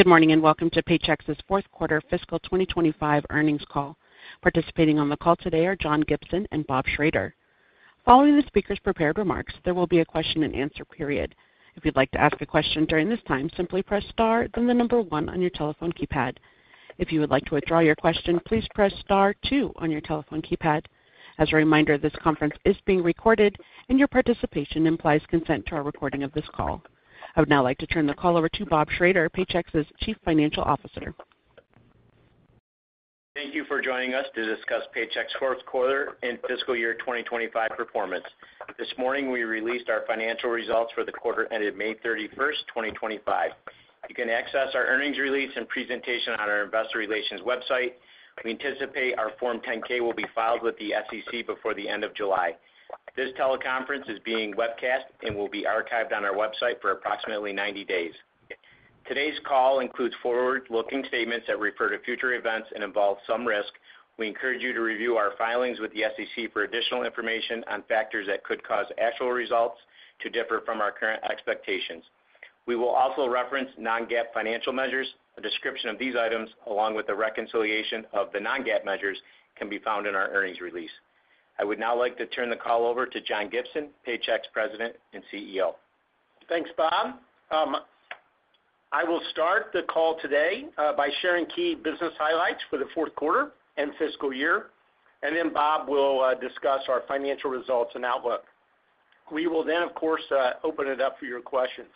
Good morning and welcome to Paychex's Fourth Quarter Fiscal 2025 Earnings Call. Participating on the call today are John Gibson and Bob Schrader. Following the speaker's prepared remarks, there will be a question and answer period. If you'd like to ask a question during this time, simply press star then the number one on your telephone keypad. If you would like to withdraw your question, please press star two on your telephone keypad. As a reminder, this conference is being recorded and your participation implies consent to our recording of this call. I would now like to turn the call over to Bob Schrader, Paychex's Chief Financial Officer. Thank you for joining us to discuss Paychex's fourth quarter and fiscal year 2025 performance. This morning, we released our financial results for the quarter ended May 31, 2025. You can access our earnings release and presentation on our investor relations website. We anticipate our Form 10-K will be filed with the SEC before the end of July. This teleconference is being webcast and will be archived on our website for approximately 90 days. Today's call includes forward-looking statements that refer to future events and involve some risk. We encourage you to review our filings with the SEC for additional information on factors that could cause actual results to differ from our current expectations. We will also reference non-GAAP financial measures. A description of these items, along with the reconciliation of the non-GAAP measures, can be found in our earnings release. I would now like to turn the call over to John Gibson, Paychex President and CEO. Thanks, Bob. I will start the call today by sharing key business highlights for the fourth quarter and fiscal year, and then Bob will discuss our financial results and outlook. We will then, of course, open it up for your questions.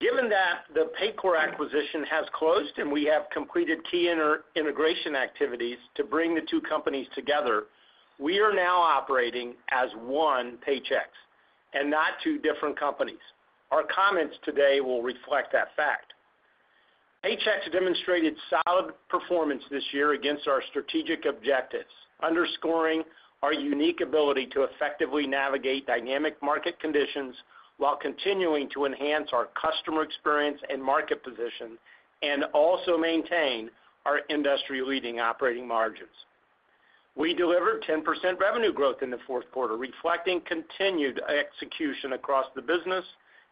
Given that the Paycor acquisition has closed and we have completed key integration activities to bring the two companies together, we are now operating as one Paychex and not two different companies. Our comments today will reflect that fact. Paychex demonstrated solid performance this year against our strategic objectives, underscoring our unique ability to effectively navigate dynamic market conditions while continuing to enhance our customer experience and market position and also maintain our industry-leading operating margins. We delivered 10% revenue growth in the fourth quarter, reflecting continued execution across the business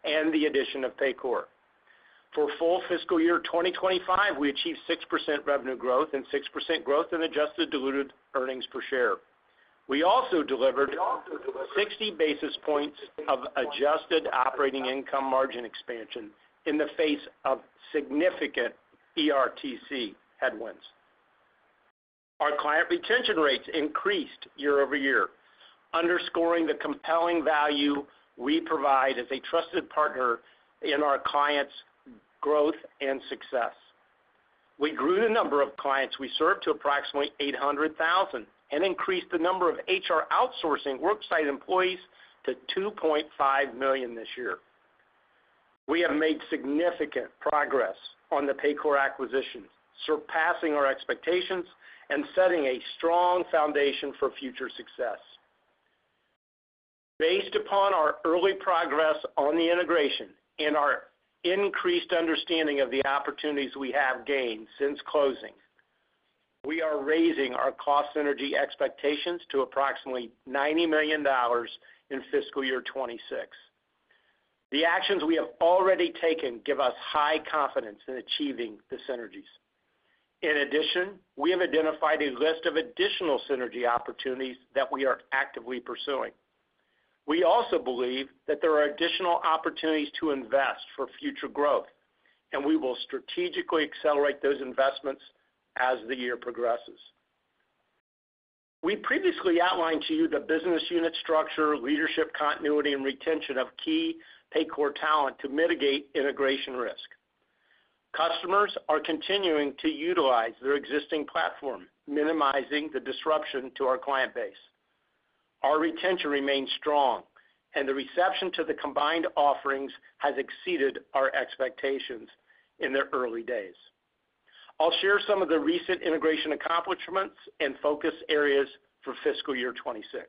and the addition of Paycor. For full fiscal year 2025, we achieved 6% revenue growth and 6% growth in adjusted diluted earnings per share. We also delivered 60 basis points of adjusted operating income margin expansion in the face of significant ERTC headwinds. Our client retention rates increased year over year, underscoring the compelling value we provide as a trusted partner in our clients' growth and success. We grew the number of clients we served to approximately 800,000 and increased the number of HR outsourcing work site employees to 2.5 million this year. We have made significant progress on the Paycor acquisition, surpassing our expectations and setting a strong foundation for future success. Based upon our early progress on the integration and our increased understanding of the opportunities we have gained since closing, we are raising our cost synergy expectations to approximately $90 million in fiscal year 2026. The actions we have already taken give us high confidence in achieving the synergies. In addition, we have identified a list of additional synergy opportunities that we are actively pursuing. We also believe that there are additional opportunities to invest for future growth, and we will strategically accelerate those investments as the year progresses. We previously outlined to you the business unit structure, leadership continuity, and retention of key Paycor talent to mitigate integration risk. Customers are continuing to utilize their existing platform, minimizing the disruption to our client base. Our retention remains strong, and the reception to the combined offerings has exceeded our expectations in their early days. I'll share some of the recent integration accomplishments and focus areas for fiscal year 2026.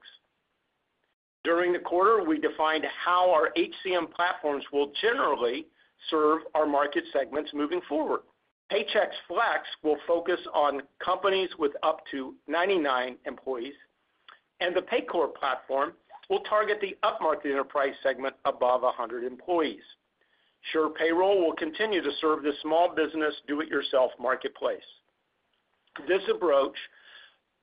During the quarter, we defined how our HCM platforms will generally serve our market segments moving forward. Paychex Flex will focus on companies with up to 99 employees, and the Paycor platform will target the upmarket enterprise segment above 100 employees. SurePayroll will continue to serve the small business do-it-yourself marketplace. This approach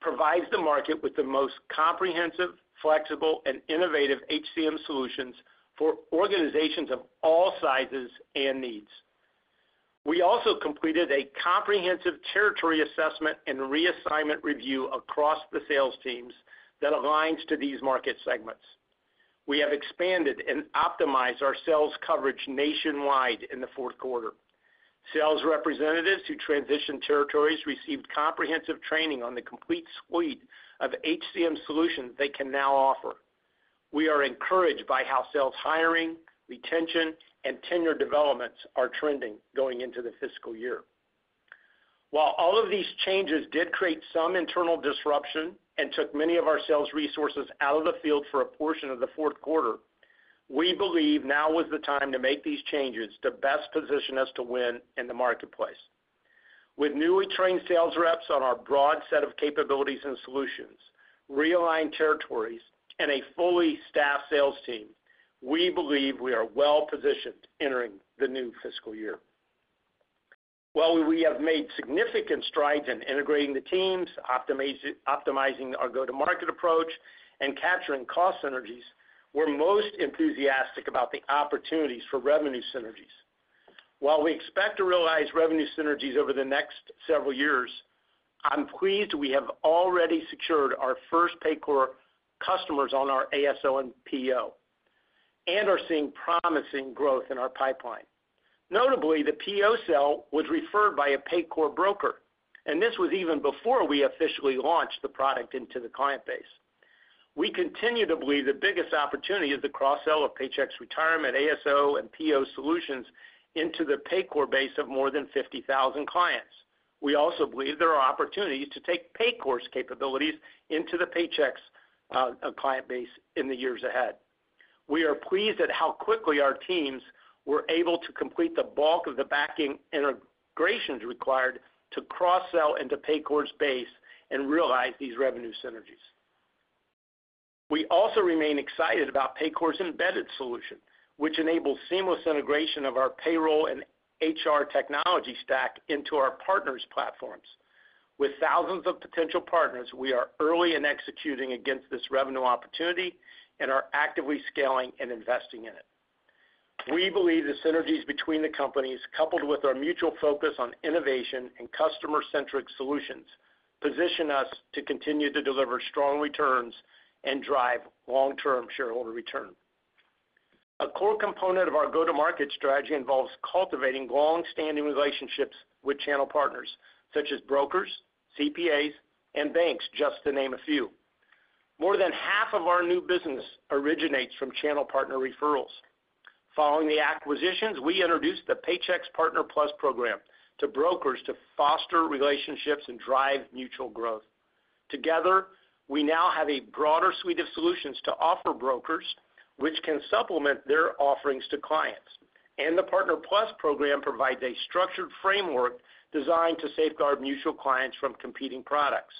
provides the market with the most comprehensive, flexible, and innovative HCM solutions for organizations of all sizes and needs. We also completed a comprehensive territory assessment and reassignment review across the sales teams that aligns to these market segments. We have expanded and optimized our sales coverage nationwide in the fourth quarter. Sales representatives who transitioned territories received comprehensive training on the complete suite of HCM solutions they can now offer. We are encouraged by how sales hiring, retention, and tenure developments are trending going into the fiscal year. While all of these changes did create some internal disruption and took many of our sales resources out of the field for a portion of the fourth quarter, we believe now was the time to make these changes to best position us to win in the marketplace. With newly trained sales reps on our broad set of capabilities and solutions, realigned territories, and a fully staffed sales team, we believe we are well positioned entering the new fiscal year. While we have made significant strides in integrating the teams, optimizing our go-to-market approach, and capturing cost synergies, we're most enthusiastic about the opportunities for revenue synergies. While we expect to realize revenue synergies over the next several years, I'm pleased we have already secured our first Paycor customers on our ASO and PO and are seeing promising growth in our pipeline. Notably, the PO sale was referred by a Paycor broker, and this was even before we officially launched the product into the client base. We continue to believe the biggest opportunity is the cross-sell of Paychex Retirement ASO and PO solutions into the Paycor base of more than 50,000 clients. We also believe there are opportunities to take Paycor's capabilities into the Paychex client base in the years ahead. We are pleased at how quickly our teams were able to complete the bulk of the backing integrations required to cross-sell into Paycor's base and realize these revenue synergies. We also remain excited about Paycor's embedded solution, which enables seamless integration of our payroll and HR technology stack into our partners' platforms. With thousands of potential partners, we are early in executing against this revenue opportunity and are actively scaling and investing in it. We believe the synergies between the companies, coupled with our mutual focus on innovation and customer-centric solutions, position us to continue to deliver strong returns and drive long-term shareholder return. A core component of our go-to-market strategy involves cultivating long-standing relationships with channel partners such as brokers, CPAs, and banks, just to name a few. More than half of our new business originates from channel partner referrals. Following the acquisitions, we introduced the Paychex Partner Plus program to brokers to foster relationships and drive mutual growth. Together, we now have a broader suite of solutions to offer brokers, which can supplement their offerings to clients. The Partner Plus program provides a structured framework designed to safeguard mutual clients from competing products.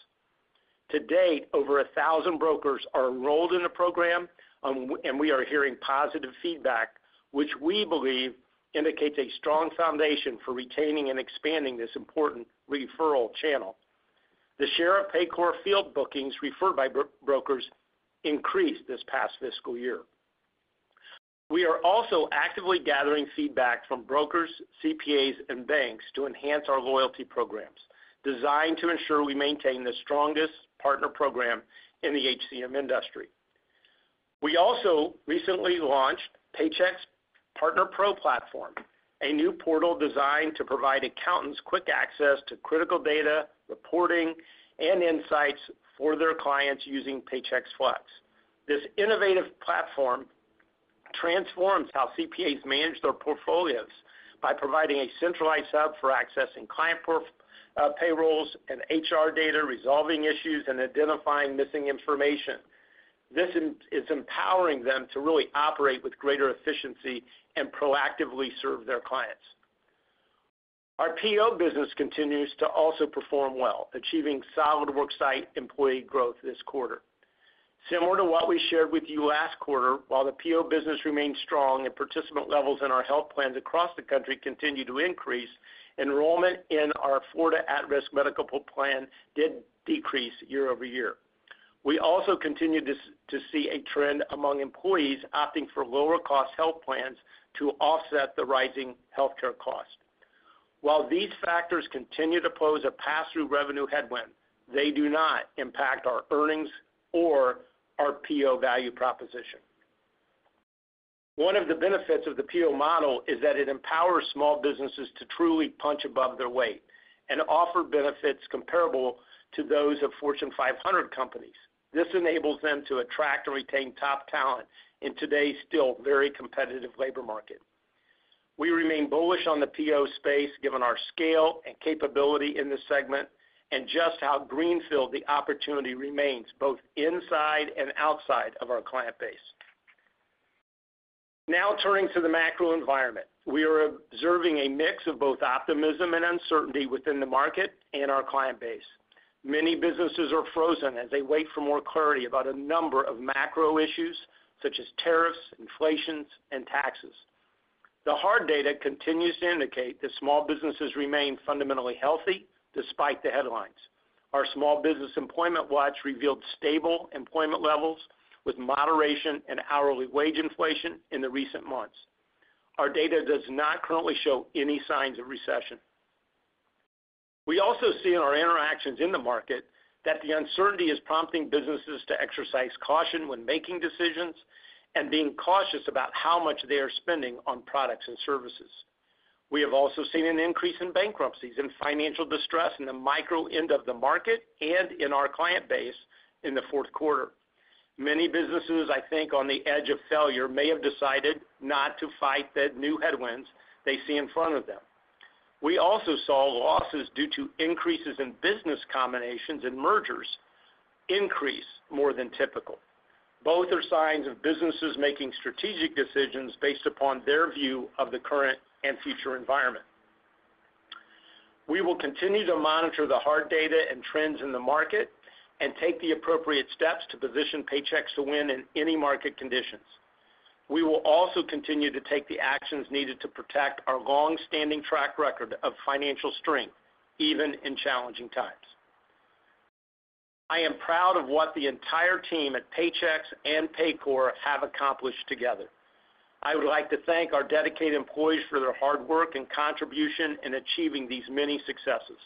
To date, over 1,000 brokers are enrolled in the program, and we are hearing positive feedback, which we believe indicates a strong foundation for retaining and expanding this important referral channel. The share of Paycor field bookings referred by brokers increased this past fiscal year. We are also actively gathering feedback from brokers, CPAs, and banks to enhance our loyalty programs designed to ensure we maintain the strongest partner program in the HCM industry. We also recently launched Paychex Partner Pro platform, a new portal designed to provide accountants quick access to critical data, reporting, and insights for their clients using Paychex Flex. This innovative platform transforms how CPAs manage their portfolios by providing a centralized hub for accessing client payrolls and HR data, resolving issues, and identifying missing information. This is empowering them to really operate with greater efficiency and proactively serve their clients. Our PO business continues to also perform well, achieving solid work site employee growth this quarter. Similar to what we shared with you last quarter, while the PO business remained strong and participant levels in our health plans across the country continued to increase, enrollment in our Florida At-Risk Medical Plan did decrease year over year. We also continue to see a trend among employees opting for lower-cost health plans to offset the rising healthcare cost. While these factors continue to pose a pass-through revenue headwind, they do not impact our earnings or our PO value proposition. One of the benefits of the PO model is that it empowers small businesses to truly punch above their weight and offer benefits comparable to those of Fortune 500 companies. This enables them to attract and retain top talent in today's still very competitive labor market. We remain bullish on the PO space, given our scale and capability in the segment and just how greenfield the opportunity remains both inside and outside of our client base. Now turning to the macro environment, we are observing a mix of both optimism and uncertainty within the market and our client base. Many businesses are frozen as they wait for more clarity about a number of macro issues such as tariffs, inflation, and taxes. The hard data continues to indicate that small businesses remain fundamentally healthy despite the headlines. Our small business employment watch revealed stable employment levels with moderation in hourly wage inflation in the recent months. Our data does not currently show any signs of recession. We also see in our interactions in the market that the uncertainty is prompting businesses to exercise caution when making decisions and being cautious about how much they are spending on products and services. We have also seen an increase in bankruptcies and financial distress in the micro end of the market and in our client base in the fourth quarter. Many businesses, I think on the edge of failure, may have decided not to fight the new headwinds they see in front of them. We also saw losses due to increases in business combinations and mergers increase more than typical. Both are signs of businesses making strategic decisions based upon their view of the current and future environment. We will continue to monitor the hard data and trends in the market and take the appropriate steps to position Paychex to win in any market conditions. We will also continue to take the actions needed to protect our long-standing track record of financial strength, even in challenging times. I am proud of what the entire team at Paychex and Paycor have accomplished together. I would like to thank our dedicated employees for their hard work and contribution in achieving these many successes.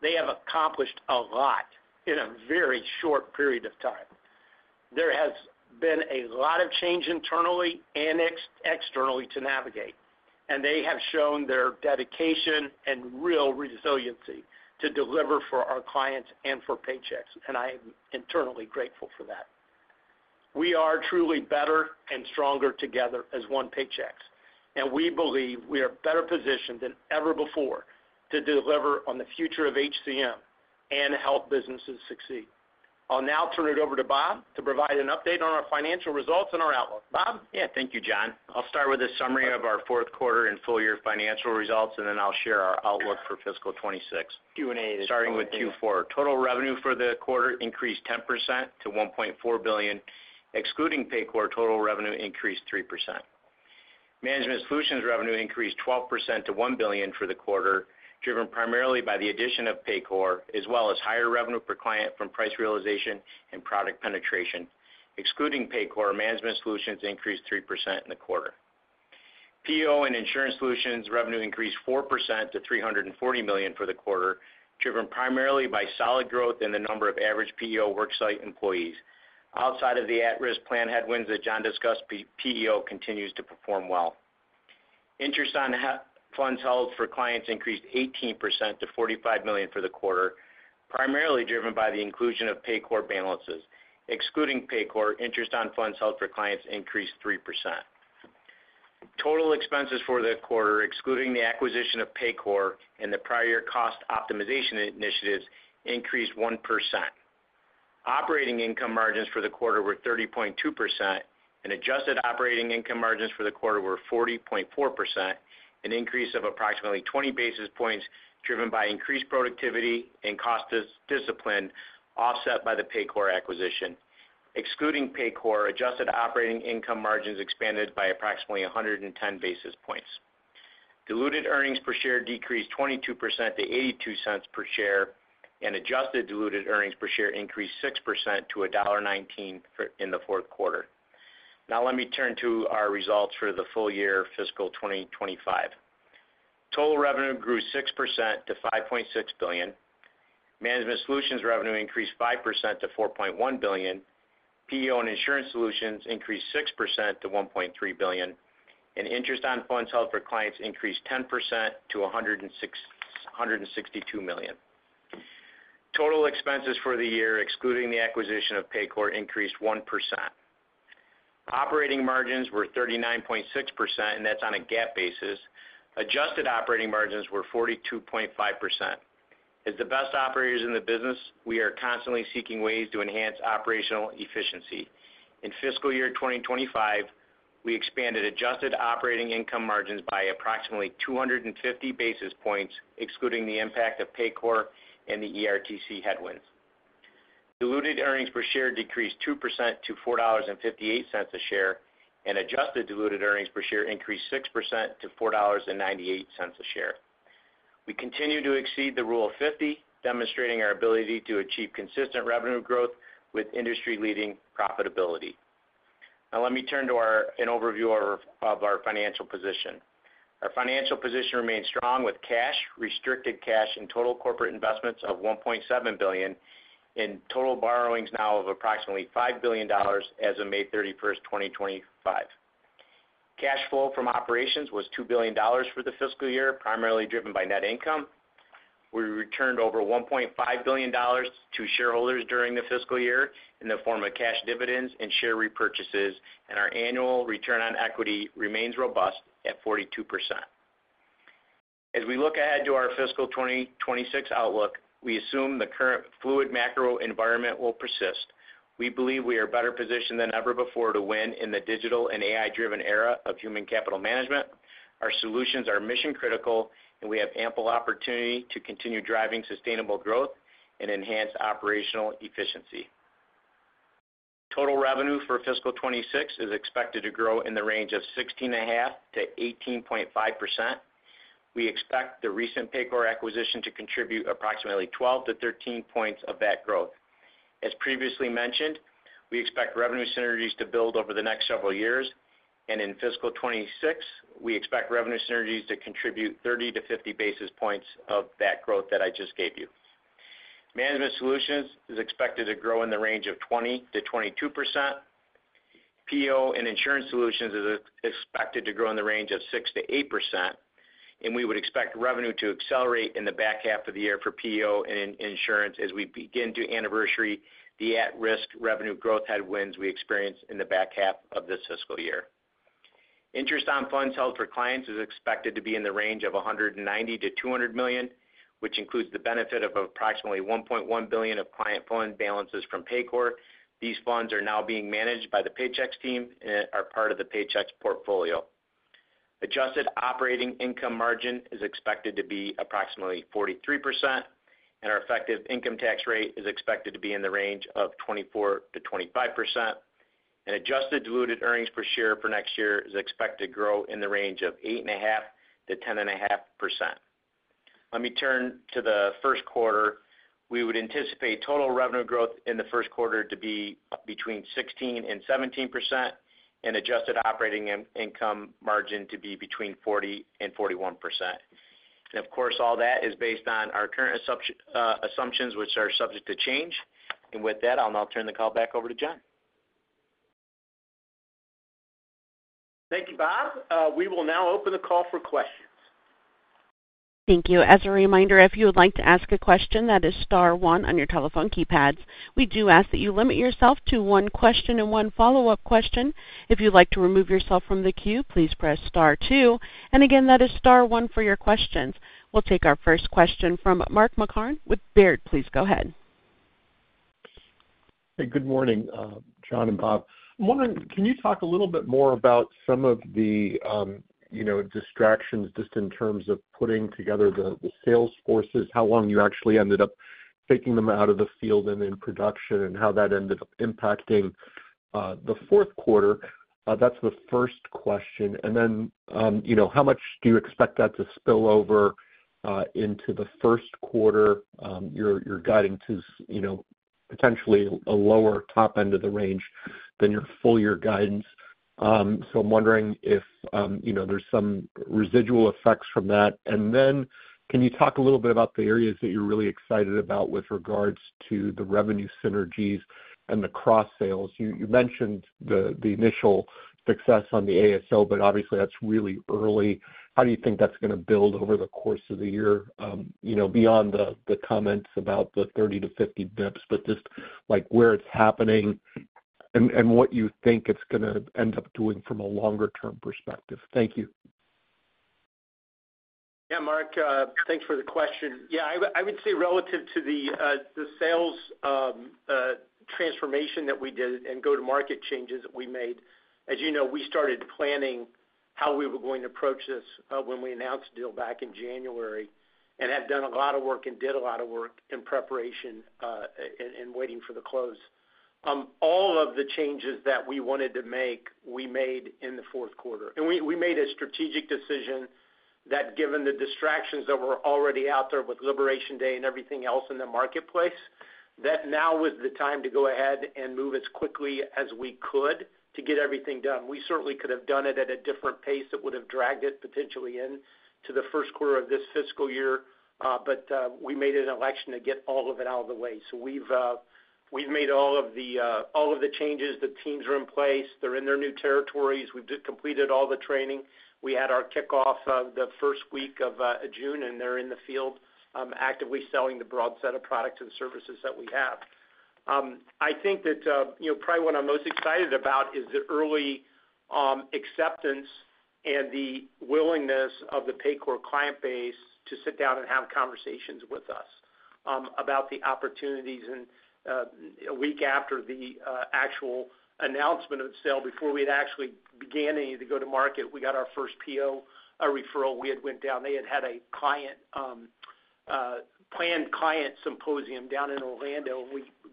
They have accomplished a lot in a very short period of time. There has been a lot of change internally and externally to navigate, and they have shown their dedication and real resiliency to deliver for our clients and for Paychex, and I am eternally grateful for that. We are truly better and stronger together as one Paychex, and we believe we are better positioned than ever before to deliver on the future of HCM and help businesses succeed. I'll now turn it over to Bob to provide an update on our financial results and our outlook. Bob. Yeah, thank you, John. I'll start with a summary of our fourth quarter and full year financial results, and then I'll share our outlook for fiscal 2026. Q&A is good. Starting with Q4, total revenue for the quarter increased 10% to $1.4 billion. Excluding Paycor, total revenue increased 3%. Management solutions revenue increased 12% to $1 billion for the quarter, driven primarily by the addition of Paycor, as well as higher revenue per client from price realization and product penetration. Excluding Paycor, management solutions increased 3% in the quarter. PEO and insurance solutions revenue increased 4% to $340 million for the quarter, driven primarily by solid growth in the number of average PEO work site employees. Outside of the At-Risk plan headwinds that John discussed, PEO continues to perform well. Interest on funds held for clients increased 18% to $45 million for the quarter, primarily driven by the inclusion of Paycor balances. Excluding Paycor, interest on funds held for clients increased 3%. Total expenses for the quarter, excluding the acquisition of Paycor and the prior year cost optimization initiatives, increased 1%. Operating income margins for the quarter were 30.2%, and adjusted operating income margins for the quarter were 40.4%, an increase of approximately 20 basis points driven by increased productivity and cost discipline offset by the Paycor acquisition. Excluding Paycor, adjusted operating income margins expanded by approximately 110 basis points. Diluted earnings per share decreased 22% to $0.82 per share, and adjusted diluted earnings per share increased 6% to $1.19 in the fourth quarter. Now let me turn to our results for the full year fiscal 2025. Total revenue grew 6% to $5.6 billion. Management solutions revenue increased 5% to $4.1 billion. PEO and insurance solutions increased 6% to $1.3 billion. Interest on funds held for clients increased 10% to $162 million. Total expenses for the year, excluding the acquisition of Paycor, increased 1%. Operating margins were 39.6%, and that's on a GAAP basis. Adjusted operating margins were 42.5%. As the best operators in the business, we are constantly seeking ways to enhance operational efficiency. In fiscal year 2025, we expanded adjusted operating income margins by approximately 250 basis points, excluding the impact of Paycor and the ERTC headwinds. Diluted earnings per share decreased 2% to $4.58 a share, and adjusted diluted earnings per share increased 6% to $4.98 a share. We continue to exceed the Rule of 50, demonstrating our ability to achieve consistent revenue growth with industry-leading profitability. Now let me turn to an overview of our financial position. Our financial position remained strong with cash, restricted cash, and total corporate investments of $1.7 billion in total borrowings now of approximately $5 billion as of May 31st, 2025. Cash flow from operations was $2 billion for the fiscal year, primarily driven by net income. We returned over $1.5 billion to shareholders during the fiscal year in the form of cash dividends and share repurchases, and our annual return on equity remains robust at 42%. As we look ahead to our fiscal 2026 outlook, we assume the current fluid macro environment will persist. We believe we are better positioned than ever before to win in the digital and AI-driven era of human capital management. Our solutions are mission-critical, and we have ample opportunity to continue driving sustainable growth and enhance operational efficiency. Total revenue for fiscal 2026 is expected to grow in the range of 16.5%-18.5%. We expect the recent Paycor acquisition to contribute approximately 12-13 points of that growth. As previously mentioned, we expect revenue synergies to build over the next several years, and in fiscal 2026, we expect revenue synergies to contribute 30-50 basis points of that growth that I just gave you. Management solutions is expected to grow in the range of 20%-22%. PEO and insurance solutions is expected to grow in the range of 6%-8%, and we would expect revenue to accelerate in the back half of the year for PEO and insurance as we begin to anniversary the At-Risk revenue growth headwinds we experienced in the back half of this fiscal year. Interest on funds held for clients is expected to be in the range of $190 million-$200 million, which includes the benefit of approximately $1.1 billion of client fund balances from Paycor. These funds are now being managed by the Paychex team and are part of the Paychex portfolio. Adjusted operating income margin is expected to be approximately 43%, and our effective income tax rate is expected to be in the range of 24%-25%. Adjusted diluted earnings per share for next year is expected to grow in the range of 8.5%-10.5%. Let me turn to the first quarter. We would anticipate total revenue growth in the first quarter to be between 16%-17%, and adjusted operating income margin to be between 40%-41%. Of course, all that is based on our current assumptions, which are subject to change. And with that, I'll now turn the call back over to John. Thank you, Bob. We will now open the call for questions. Thank you. As a reminder, if you would like to ask a question, that is Star 1 on your telephone keypads. We do ask that you limit yourself to one question and one follow-up question. If you'd like to remove yourself from the queue, please press Star 2. That is Star 1 for your questions. We'll take our first question from Mark Marcon with Baird. Please go ahead. Hey, good morning, John and Bob. I'm wondering, can you talk a little bit more about some of the distractions just in terms of putting together the sales forces, how long you actually ended up taking them out of the field and in production, and how that ended up impacting the fourth quarter? That's the first question. How much do you expect that to spill over into the first quarter? You're guiding to potentially a lower top end of the range than your full year guidance. I'm wondering if there's some residual effects from that. Can you talk a little bit about the areas that you're really excited about with regards to the revenue synergies and the cross-sales? You mentioned the initial success on the ASO, but obviously that's really early. How do you think that's going to build over the course of the year beyond the comments about the 30-50 dips, but just where it's happening and what you think it's going to end up doing from a longer-term perspective? Thank you. Yeah, Mark, thanks for the question. Yeah, I would say relative to the sales transformation that we did and go-to-market changes that we made, as you know, we started planning how we were going to approach this when we announced the deal back in January and had done a lot of work and did a lot of work in preparation and waiting for the close. All of the changes that we wanted to make, we made in the fourth quarter. We made a strategic decision that, given the distractions that were already out there with Liberation Day and everything else in the marketplace, that now was the time to go ahead and move as quickly as we could to get everything done. We certainly could have done it at a different pace that would have dragged it potentially into the first quarter of this fiscal year, but we made an election to get all of it out of the way. So we've made all of the changes. The teams are in place. They're in their new territories. We've completed all the training. We had our kickoff the first week of June, and they're in the field actively selling the broad set of products and services that we have. I think that probably what I'm most excited about is the early acceptance and the willingness of the Paycor client base to sit down and have conversations with us about the opportunities. A week after the actual announcement of sale, before we had actually began any of the go-to-market, we got our first PO referral. We had went down. They had had a planned client symposium down in Orlando.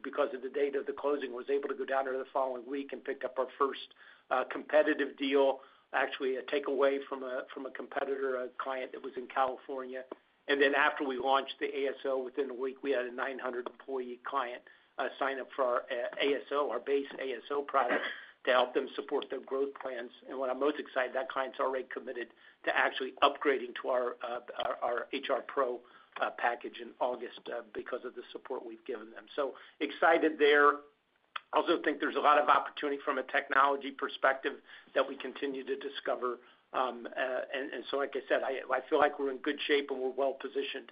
Because of the date of the closing, we were able to go down there the following week and pick up our first competitive deal, actually a takeaway from a competitor, a client that was in California. After we launched the ASO, within a week, we had a 900-employee client sign up for our ASO, our base ASO product, to help them support their growth plans. What I'm most excited about, clients already committed to actually upgrading to our HR Pro package in August because of the support we've given them. So excited there. I also think there's a lot of opportunity from a technology perspective that we continue to discover. Like I said, I feel like we're in good shape and we're well-positioned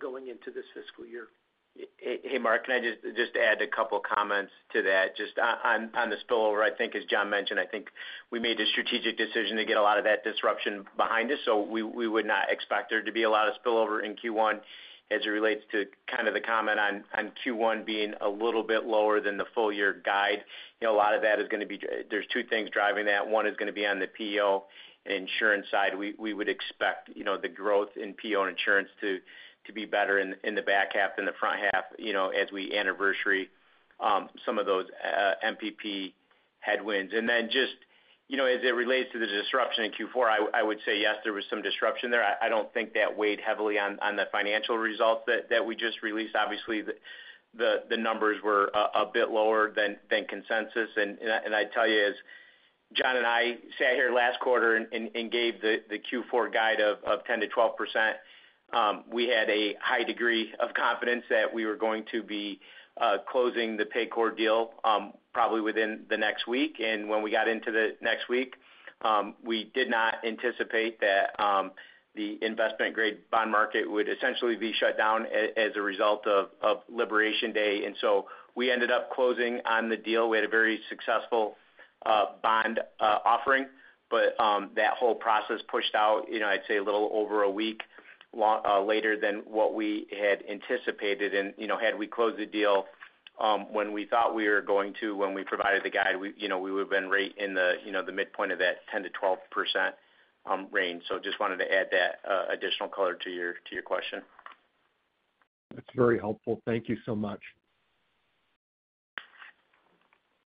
going into this fiscal year. Hey, Mark, can I just add a couple of comments to that? Just on the spillover, I think, as John mentioned, I think we made a strategic decision to get a lot of that disruption behind us. We would not expect there to be a lot of spillover in Q1 as it relates to kind of the comment on Q1 being a little bit lower than the full year guide. A lot of that is going to be—there are two things driving that. One is going to be on the PEO and insurance side. We would expect the growth in PEO and insurance to be better in the back half than the front half as we anniversary some of those MPP headwinds. Then just as it relates to the disruption in Q4, I would say, yes, there was some disruption there. I don't think that weighed heavily on the financial results that we just released. Obviously, the numbers were a bit lower than consensus. I'd tell you, as John and I sat here last quarter and gave the Q4 guide of 10%-12%, we had a high degree of confidence that we were going to be closing the Paycor deal probably within the next week. When we got into the next week, we did not anticipate that the investment-grade bond market would essentially be shut down as a result of Liberation Day. We ended up closing on the deal. We had a very successful bond offering, but that whole process pushed out, I'd say, a little over a week later than what we had anticipated. Had we closed the deal when we thought we were going to, when we provided the guide, we would have been right in the midpoint of that 10-12% range. I just wanted to add that additional color to your question. That's very helpful. Thank you so much.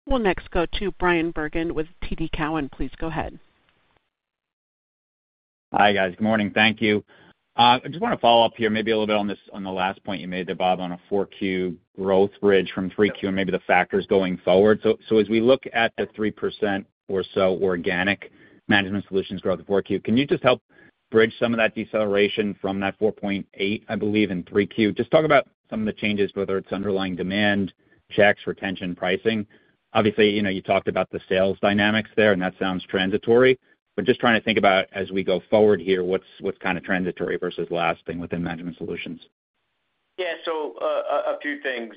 We'll next go to Bryan Bergin with TD Cowen. Please go ahead. Hi, guys. Good morning. Thank you. I just want to follow up here, maybe a little bit on the last point you made, Bob, on a 4Q growth bridge from 3Q and maybe the factors going forward. As we look at the 3% or so organic management solutions growth of 4Q, can you just help bridge some of that deceleration from that 4.8, I believe, in 3Q? Just talk about some of the changes, whether it's underlying demand, checks, retention, pricing. Obviously, you talked about the sales dynamics there, and that sounds transitory. Just trying to think about, as we go forward here, what's kind of transitory versus lasting within management solutions. Yeah, so a few things.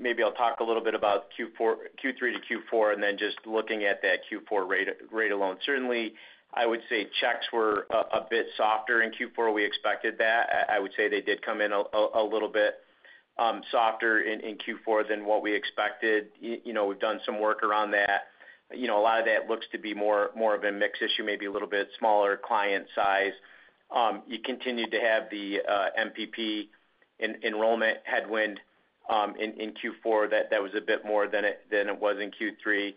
Maybe I'll talk a little bit about Q3 to Q4 and then just looking at that Q4 rate alone. Certainly, I would say checks were a bit softer in Q4. We expected that. I would say they did come in a little bit softer in Q4 than what we expected. We've done some work around that. A lot of that looks to be more of a mix issue, maybe a little bit smaller client size. You continued to have the MPP enrollment headwind in Q4. That was a bit more than it was in Q3.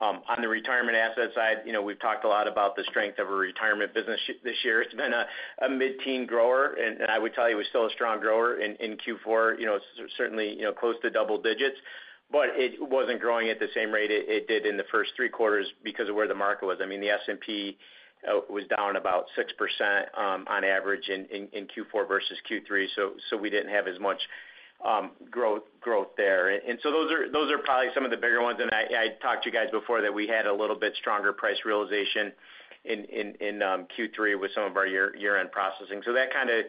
On the retirement asset side, we've talked a lot about the strength of our retirement business this year. It's been a mid-teen grower, and I would tell you it was still a strong grower in Q4, certainly close to double digits. It wasn't growing at the same rate it did in the first three quarters because of where the market was. I mean, the S&P was down about 6% on average in Q4 versus Q3. We didn't have as much growth there. Those are probably some of the bigger ones. I talked to you guys before that we had a little bit stronger price realization in Q3 with some of our year-end processing. That kind of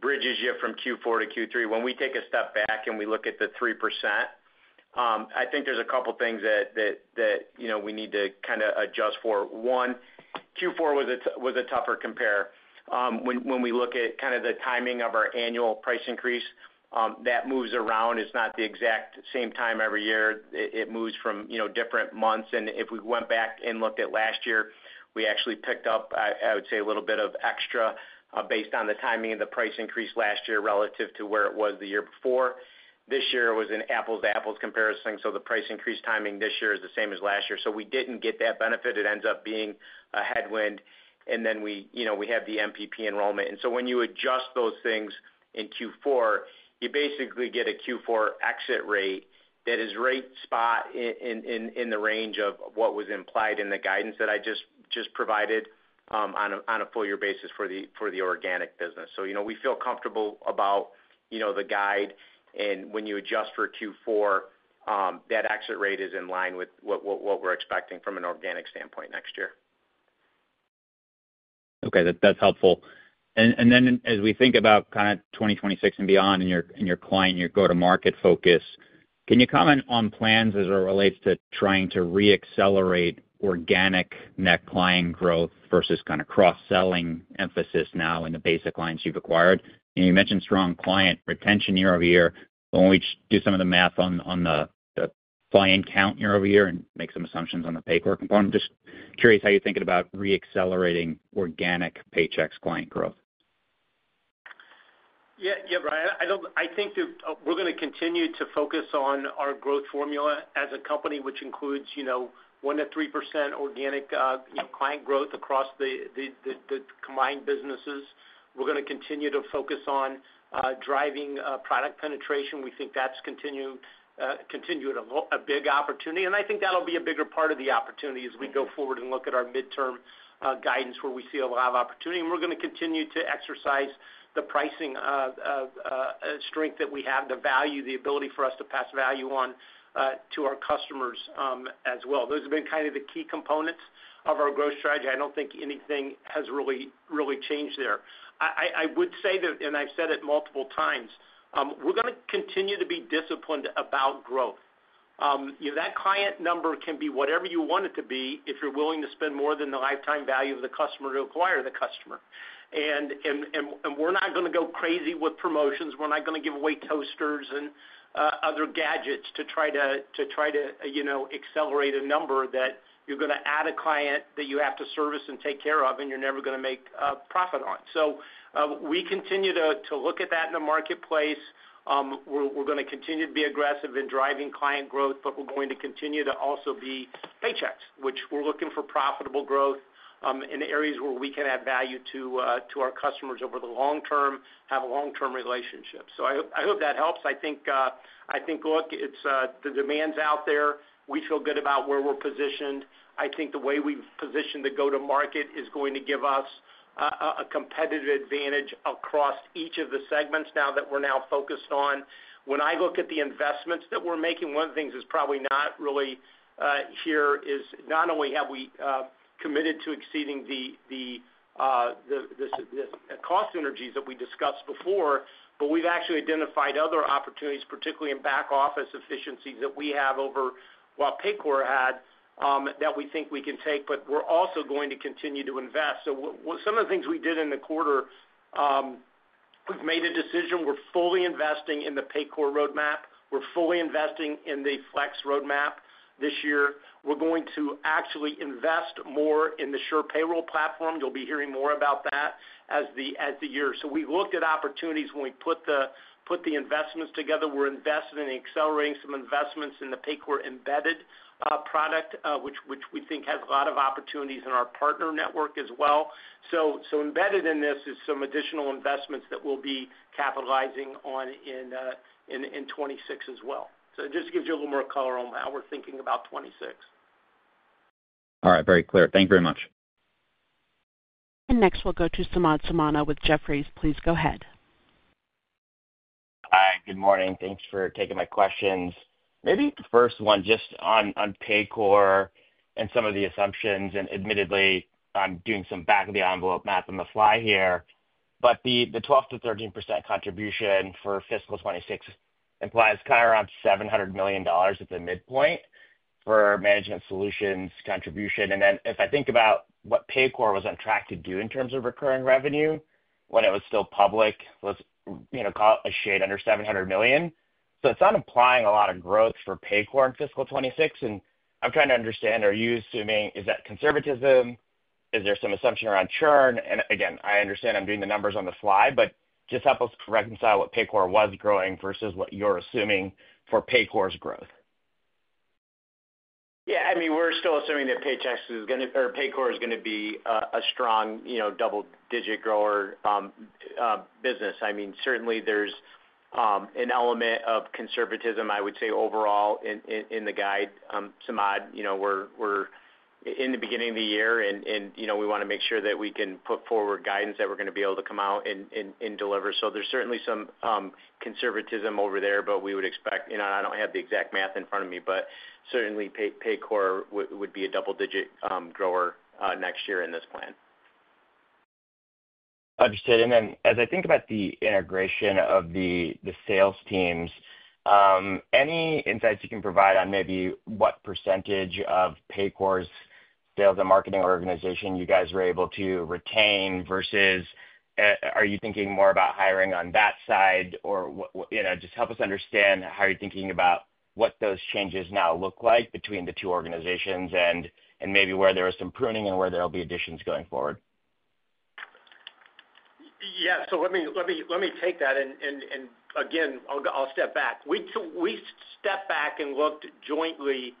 bridges you from Q4 to Q3. When we take a step back and we look at the 3%, I think there's a couple of things that we need to kind of adjust for. One, Q4 was a tougher compare. When we look at kind of the timing of our annual price increase, that moves around. It's not the exact same time every year. It moves from different months. If we went back and looked at last year, we actually picked up, I would say, a little bit of extra based on the timing of the price increase last year relative to where it was the year before. This year was an apples-to-apples comparison. The price increase timing this year is the same as last year. We didn't get that benefit. It ends up being a headwind. Then we have the MPP enrollment. When you adjust those things in Q4, you basically get a Q4 exit rate that is right spot in the range of what was implied in the guidance that I just provided on a full year basis for the organic business. We feel comfortable about the guide. When you adjust for Q4, that exit rate is in line with what we're expecting from an organic standpoint next year. Okay, that's helpful. As we think about 2026 and beyond and your client, your go-to-market focus, can you comment on plans as it relates to trying to re-accelerate organic net client growth versus kind of cross-selling emphasis now in the basic lines you've acquired? You mentioned strong client retention year over year. When we do some of the math on the client count year over year and make some assumptions on the Paycor component, just curious how you're thinking about re-accelerating organic Paychex client growth. Yeah, yeah, Bryan. I think we're going to continue to focus on our growth formula as a company, which includes 1-3% organic client growth across the combined businesses. We're going to continue to focus on driving product penetration. We think that's continued a big opportunity. I think that'll be a bigger part of the opportunity as we go forward and look at our midterm guidance where we see a lot of opportunity. We're going to continue to exercise the pricing strength that we have, the value, the ability for us to pass value on to our customers as well. Those have been kind of the key components of our growth strategy. I don't think anything has really changed there. I would say that, and I've said it multiple times, we're going to continue to be disciplined about growth. That client number can be whatever you want it to be if you're willing to spend more than the lifetime value of the customer to acquire the customer. We're not going to go crazy with promotions. We're not going to give away toasters and other gadgets to try to accelerate a number that you're going to add a client that you have to service and take care of and you're never going to make profit on. We continue to look at that in the marketplace. We're going to continue to be aggressive in driving client growth, but we're going to continue to also be Paychex, which we're looking for profitable growth in areas where we can add value to our customers over the long term, have a long-term relationship. I hope that helps. I think, look, the demand's out there. We feel good about where we're positioned. I think the way we've positioned the go-to-market is going to give us a competitive advantage across each of the segments now that we're now focused on. When I look at the investments that we're making, one of the things that's probably not really here is not only have we committed to exceeding the cost synergies that we discussed before, but we've actually identified other opportunities, particularly in back-office efficiencies that we have over what Paycor had that we think we can take, but we're also going to continue to invest. Some of the things we did in the quarter, we've made a decision. We're fully investing in the Paycor roadmap. We're fully investing in the Flex roadmap this year. We're going to actually invest more in the SurePayroll platform. You'll be hearing more about that as the year. We've looked at opportunities when we put the investments together. We're investing in accelerating some investments in the Paycor embedded product, which we think has a lot of opportunities in our partner network as well. Embedded in this is some additional investments that we'll be capitalizing on in 2026 as well. It just gives you a little more color on how we're thinking about 2026. All right, very clear. Thank you very much. Next, we'll go to Samad Samana with Jefferies. Please go ahead. Hi, good morning. Thanks for taking my questions. Maybe the first one just on Paycor and some of the assumptions. Admittedly, I'm doing some back-of-the-envelope math on the fly here. The 12%-13% contribution for fiscal 2026 implies kind of around $700 million at the midpoint for management solutions contribution. If I think about what Paycor was on track to do in terms of recurring revenue when it was still public, it was called a shade under $700 million. It is not implying a lot of growth for Paycor in fiscal 2026. I'm trying to understand, are you assuming, is that conservatism? Is there some assumption around churn? I understand I'm doing the numbers on the fly, but just help us reconcile what Paycor was growing versus what you're assuming for Paycor's growth. Yeah, I mean, we're still assuming that Paychex is going to, or Paycor is going to be a strong double-digit grower business. I mean, certainly, there's an element of conservatism, I would say, overall in the guide. Samad, we're in the beginning of the year, and we want to make sure that we can put forward guidance that we're going to be able to come out and deliver. There's certainly some conservatism over there, but we would expect—I don't have the exact math in front of me—but certainly, Paycor would be a double-digit grower next year in this plan. Understood. As I think about the integration of the sales teams, any insights you can provide on maybe what percentage of Paycor's sales and marketing organization you guys were able to retain versus—are you thinking more about hiring on that side? Or just help us understand how you're thinking about what those changes now look like between the two organizations and maybe where there is some pruning and where there will be additions going forward. Yeah, let me take that. Again, I'll step back. We stepped back and looked jointly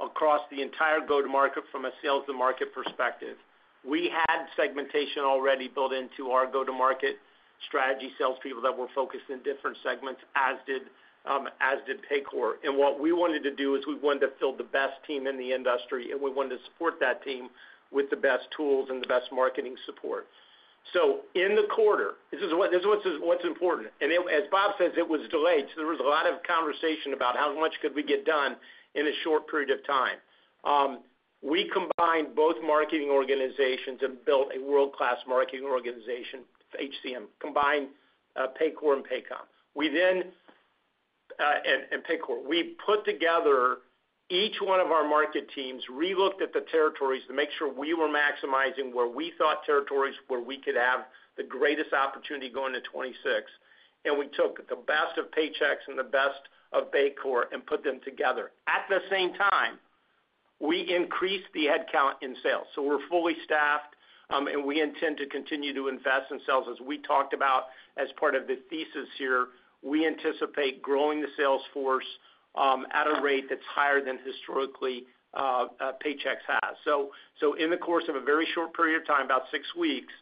across the entire go-to-market from a sales-to-market perspective. We had segmentation already built into our go-to-market strategy, salespeople that were focused in different segments, as did Paycor. What we wanted to do is we wanted to fill the best team in the industry, and we wanted to support that team with the best tools and the best marketing support. In the quarter, this is what's important. As Bob says, it was delayed. There was a lot of conversation about how much could we get done in a short period of time. We combined both marketing organizations and built a world-class marketing organization, HCM, combined Paycor and Paycor. Paycor, we put together each one of our market teams, relooked at the territories to make sure we were maximizing where we thought territories where we could have the greatest opportunity going to 2026. We took the best of Paychex and the best of Paycor and put them together. At the same time, we increased the headcount in sales. We're fully staffed, and we intend to continue to invest in sales. As we talked about as part of the thesis here, we anticipate growing the sales force at a rate that's higher than historically Paychex has. In the course of a very short period of time, about six weeks,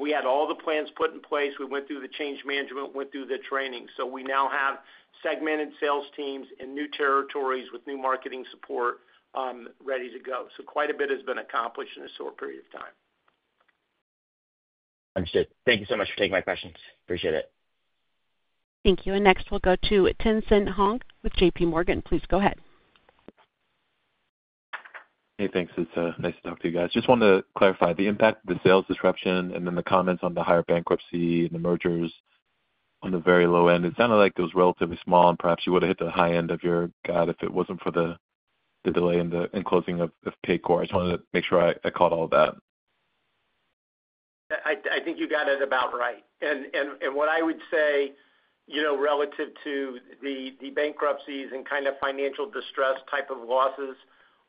we had all the plans put in place. We went through the change management, went through the training. We now have segmented sales teams in new territories with new marketing support ready to go. Quite a bit has been accomplished in a short period of time. Understood. Thank you so much for taking my questions. Appreciate it. Thank you. Next, we'll go to Tien-tsin Huang with J.P. Morgan. Please go ahead. Hey, thanks. It's nice to talk to you guys. Just wanted to clarify the impact of the sales disruption and then the comments on the higher bankruptcy and the mergers on the very low end. It sounded like it was relatively small, and perhaps you would have hit the high end of your gut if it was not for the delay in closing of Paycor. I just wanted to make sure I caught all of that. I think you got it about right. What I would say relative to the bankruptcies and kind of financial distress type of losses,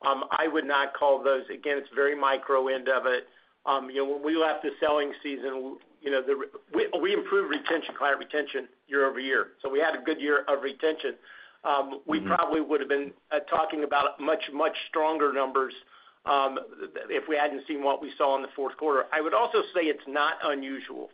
I would not call those, again, it is very micro end of it. When we left the selling season, we improved retention, client retention year over year. We had a good year of retention. We probably would have been talking about much, much stronger numbers if we had not seen what we saw in the fourth quarter. I would also say it's not unusual.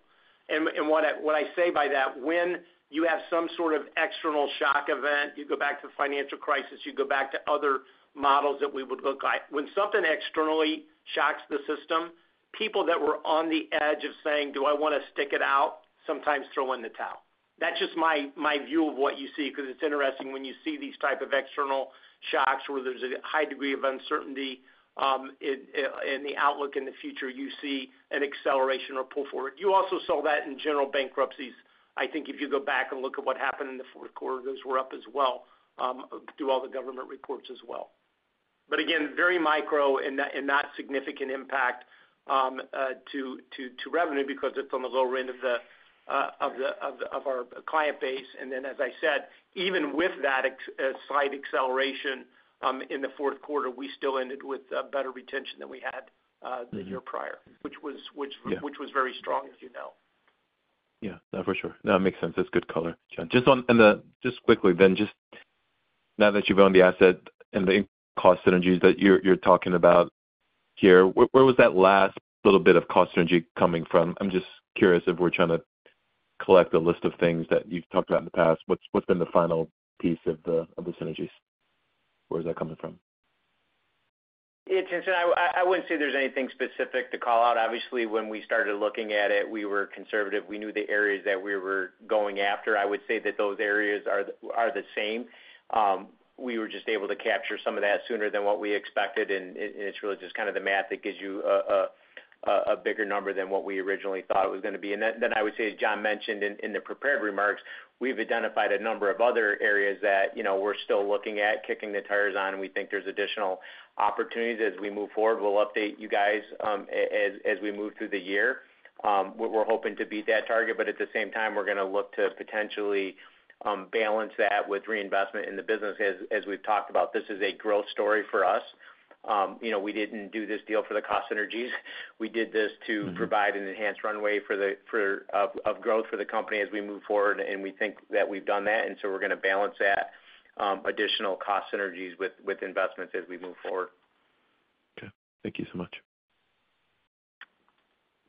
What I say by that, when you have some sort of external shock event, you go back to the financial crisis, you go back to other models that we would look at, when something externally shocks the system, people that were on the edge of saying, "Do I want to stick it out?" sometimes throw in the towel. That's just my view of what you see because it's interesting when you see these types of external shocks where there's a high degree of uncertainty in the outlook in the future, you see an acceleration or pull forward. You also saw that in general bankruptcies. I think if you go back and look at what happened in the fourth quarter, those were up as well through all the government reports as well. Again, very micro and not significant impact to revenue because it's on the lower end of our client base. As I said, even with that slight acceleration in the fourth quarter, we still ended with better retention than we had the year prior, which was very strong, as you know. Yeah, that's for sure. That makes sense. That's good color. Just quickly then, just now that you've owned the asset and the cost synergies that you're talking about here, where was that last little bit of cost synergy coming from? I'm just curious if we're trying to collect a list of things that you've talked about in the past. What's been the final piece of the synergies? Where is that coming from? Yeah, Tien-Tsin, I wouldn't say there's anything specific to call out. Obviously, when we started looking at it, we were conservative. We knew the areas that we were going after. I would say that those areas are the same. We were just able to capture some of that sooner than what we expected. It is really just kind of the math that gives you a bigger number than what we originally thought it was going to be. I would say, as John mentioned in the prepared remarks, we have identified a number of other areas that we are still looking at, kicking the tires on. We think there are additional opportunities as we move forward. We will update you guys as we move through the year. We are hoping to beat that target. At the same time, we are going to look to potentially balance that with reinvestment in the business. As we have talked about, this is a growth story for us. We did not do this deal for the cost synergies. We did this to provide an enhanced runway of growth for the company as we move forward. We think that we've done that. We are going to balance that additional cost synergies with investments as we move forward. Okay. Thank you so much.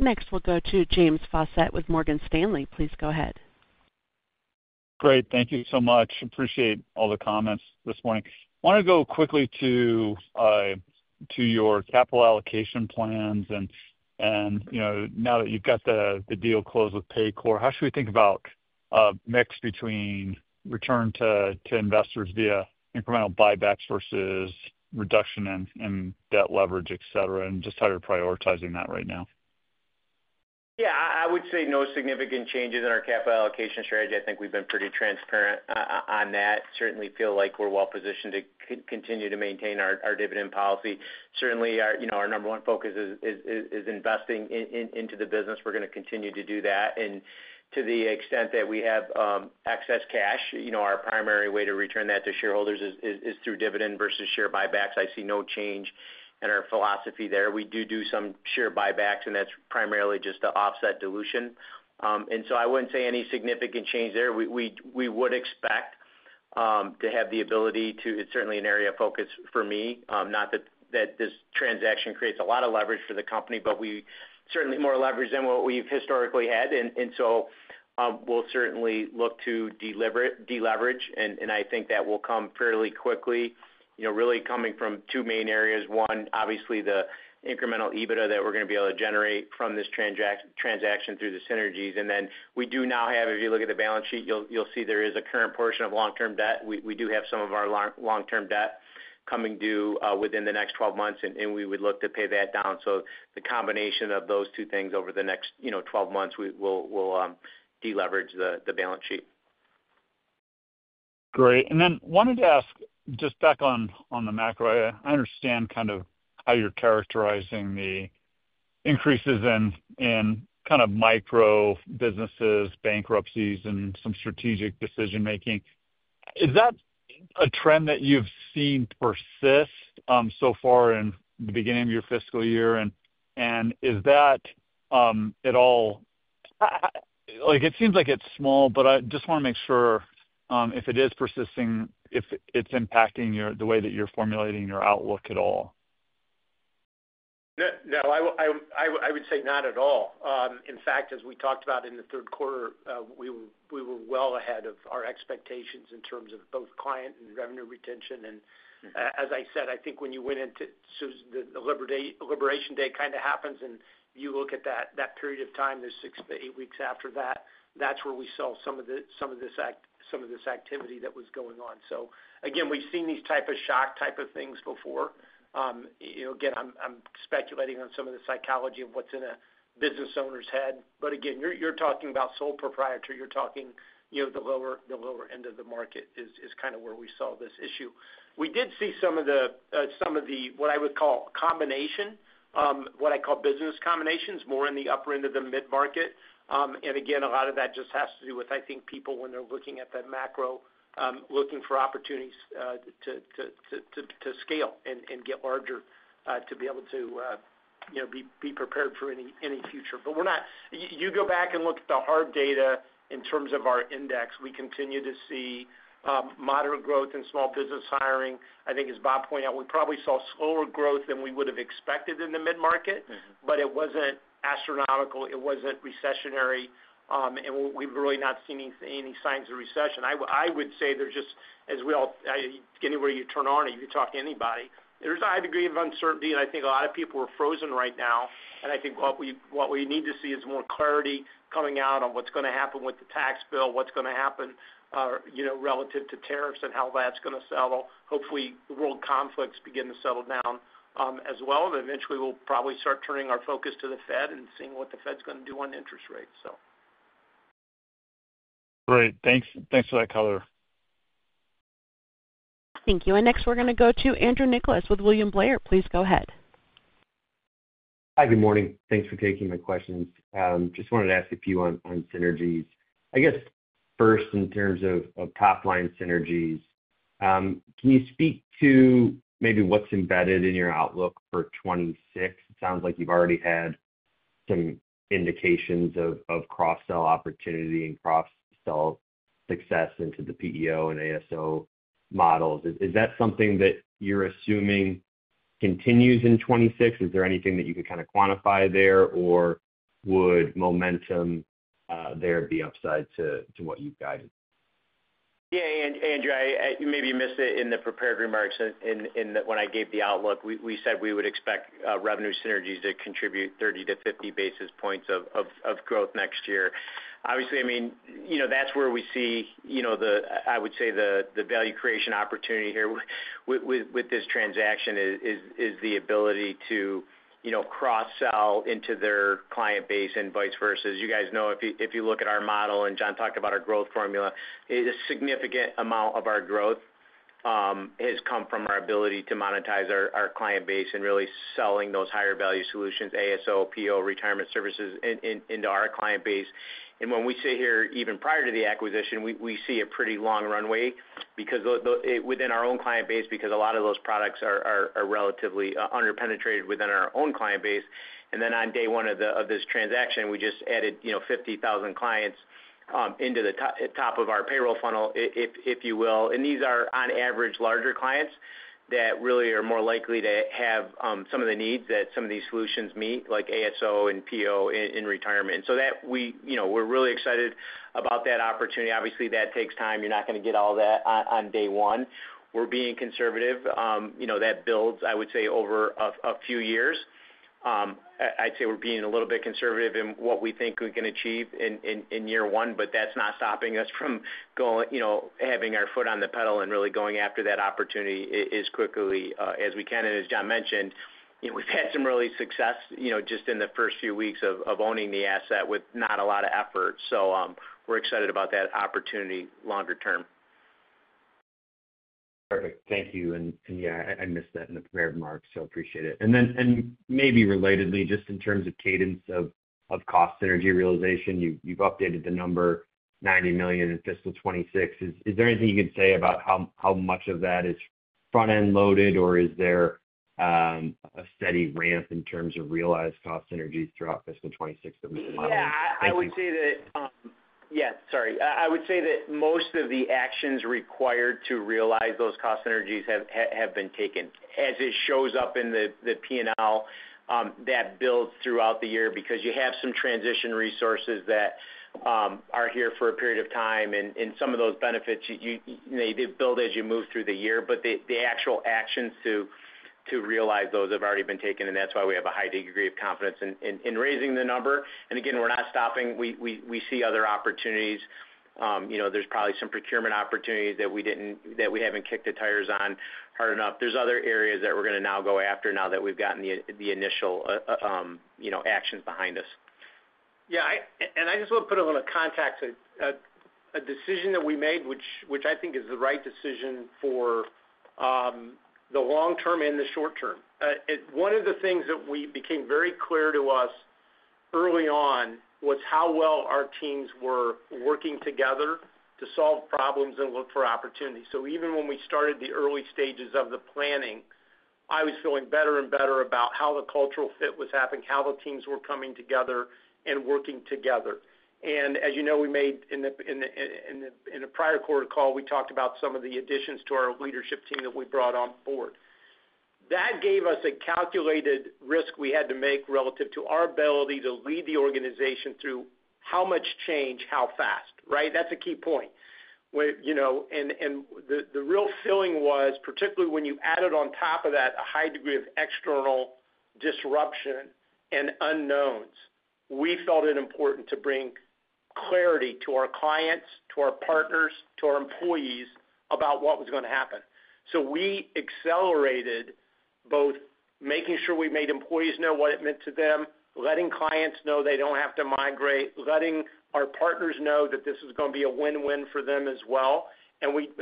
Next, we'll go to James Fawcett with Morgan Stanley. Please go ahead. Great. Thank you so much. Appreciate all the comments this morning. I want to go quickly to your capital allocation plans. Now that you've got the deal closed with Paycor, how should we think about a mix between return to investors via incremental buybacks versus reduction in debt leverage, etc., and just how you're prioritizing that right now? Yeah, I would say no significant changes in our capital allocation strategy. I think we've been pretty transparent on that. Certainly feel like we're well positioned to continue to maintain our dividend policy. Certainly, our number one focus is investing into the business. We're going to continue to do that. To the extent that we have excess cash, our primary way to return that to shareholders is through dividend versus share buybacks. I see no change in our philosophy there. We do do some share buybacks, and that's primarily just to offset dilution. I wouldn't say any significant change there. We would expect to have the ability to—it's certainly an area of focus for me. Not that this transaction creates a lot of leverage for the company, but we certainly have more leverage than what we've historically had. We will certainly look to deleverage. I think that will come fairly quickly, really coming from two main areas. One, obviously, the incremental EBITDA that we're going to be able to generate from this transaction through the synergies. We do now have, if you look at the balance sheet, you'll see there is a current portion of long-term debt. We do have some of our long-term debt coming due within the next 12 months, and we would look to pay that down. The combination of those two things over the next 12 months, we'll deleverage the balance sheet. Great. I wanted to ask just back on the macro, I understand kind of how you're characterizing the increases in kind of micro businesses, bankruptcies, and some strategic decision-making. Is that a trend that you've seen persist so far in the beginning of your fiscal year? Is that at all—it seems like it's small, but I just want to make sure if it is persisting, if it's impacting the way that you're formulating your outlook at all. No, I would say not at all. In fact, as we talked about in the third quarter, we were well ahead of our expectations in terms of both client and revenue retention. As I said, I think when you went into—the Liberation Day kind of happens, and you look at that period of time, the six to eight weeks after that, that is where we saw some of this activity that was going on. Again, we have seen these type of shock type of things before. I am speculating on some of the psychology of what is in a business owner's head. Again, you are talking about sole proprietor. You are talking the lower end of the market is kind of where we saw this issue. We did see some of the—some of what I would call combination, what I call business combinations, more in the upper end of the mid-market. A lot of that just has to do with, I think, people when they're looking at the macro, looking for opportunities to scale and get larger to be able to be prepared for any future. You go back and look at the hard data in terms of our index. We continue to see moderate growth in small business hiring. I think, as Bob pointed out, we probably saw slower growth than we would have expected in the mid-market, but it was not astronomical. It was not recessionary. We have really not seen any signs of recession. I would say there is just, as we all—anywhere you turn around, you can talk to anybody. There is a high degree of uncertainty, and I think a lot of people are frozen right now. I think what we need to see is more clarity coming out on what's going to happen with the tax bill, what's going to happen relative to tariffs and how that's going to settle. Hopefully, the world conflicts begin to settle down as well. Eventually, we'll probably start turning our focus to the Fed and seeing what the Fed's going to do on interest rates. Great. Thanks for that color. Thank you. Next, we're going to go to Andrew Nicholas with William Blair. Please go ahead. Hi, good morning. Thanks for taking my questions. Just wanted to ask a few on synergies. I guess first, in terms of top-line synergies, can you speak to maybe what's embedded in your outlook for 2026? It sounds like you've already had some indications of cross-sell opportunity and cross-sell success into the PEO and ASO models. Is that something that you're assuming continues in 2026? Is there anything that you could kind of quantify there, or would momentum there be upside to what you've guided? Yeah, Andrew. Maybe you missed it in the prepared remarks when I gave the outlook. We said we would expect revenue synergies to contribute 30-50 basis points of growth next year. Obviously, I mean, that's where we see the, I would say, the value creation opportunity here with this transaction is the ability to cross-sell into their client base and vice versa. As you guys know, if you look at our model and John talked about our growth formula, a significant amount of our growth has come from our ability to monetize our client base and really selling those higher value solutions, ASO, PO, retirement services into our client base. When we sit here, even prior to the acquisition, we see a pretty long runway within our own client base because a lot of those products are relatively underpenetrated within our own client base. On day one of this transaction, we just added 50,000 clients into the top of our payroll funnel, if you will. These are, on average, larger clients that really are more likely to have some of the needs that some of these solutions meet, like ASO and PO in retirement. We are really excited about that opportunity. Obviously, that takes time. You are not going to get all that on day one. We are being conservative. That builds, I would say, over a few years. I'd say we're being a little bit conservative in what we think we can achieve in year one, but that's not stopping us from having our foot on the pedal and really going after that opportunity as quickly as we can. As John mentioned, we've had some early success just in the first few weeks of owning the asset with not a lot of effort. We're excited about that opportunity longer term. Perfect. Thank you. Yeah, I missed that in the prepared remarks, so appreciate it. Maybe relatedly, just in terms of cadence of cost synergy realization, you've updated the number $90 million in fiscal 2026. Is there anything you can say about how much of that is front-end loaded, or is there a steady ramp in terms of realized cost synergies throughout fiscal 2026 that we can monitor? Yeah, I would say that—yeah, sorry. I would say that most of the actions required to realize those cost synergies have been taken. As it shows up in the P&L, that builds throughout the year because you have some transition resources that are here for a period of time. Some of those benefits, they build as you move through the year. The actual actions to realize those have already been taken, and that's why we have a high degree of confidence in raising the number. Again, we're not stopping. We see other opportunities. There's probably some procurement opportunities that we haven't kicked the tires on hard enough. There are other areas that we're going to now go after now that we've gotten the initial actions behind us. Yeah. I just want to put a little context to a decision that we made, which I think is the right decision for the long term and the short term. One of the things that became very clear to us early on was how well our teams were working together to solve problems and look for opportunities. Even when we started the early stages of the planning, I was feeling better and better about how the cultural fit was happening, how the teams were coming together and working together. As you know, we made—in the prior quarter call, we talked about some of the additions to our leadership team that we brought on board. That gave us a calculated risk we had to make relative to our ability to lead the organization through how much change, how fast, right? That is a key point. The real feeling was, particularly when you added on top of that a high degree of external disruption and unknowns, we felt it important to bring clarity to our clients, to our partners, to our employees about what was going to happen. We accelerated both making sure we made employees know what it meant to them, letting clients know they do not have to migrate, letting our partners know that this is going to be a win-win for them as well. We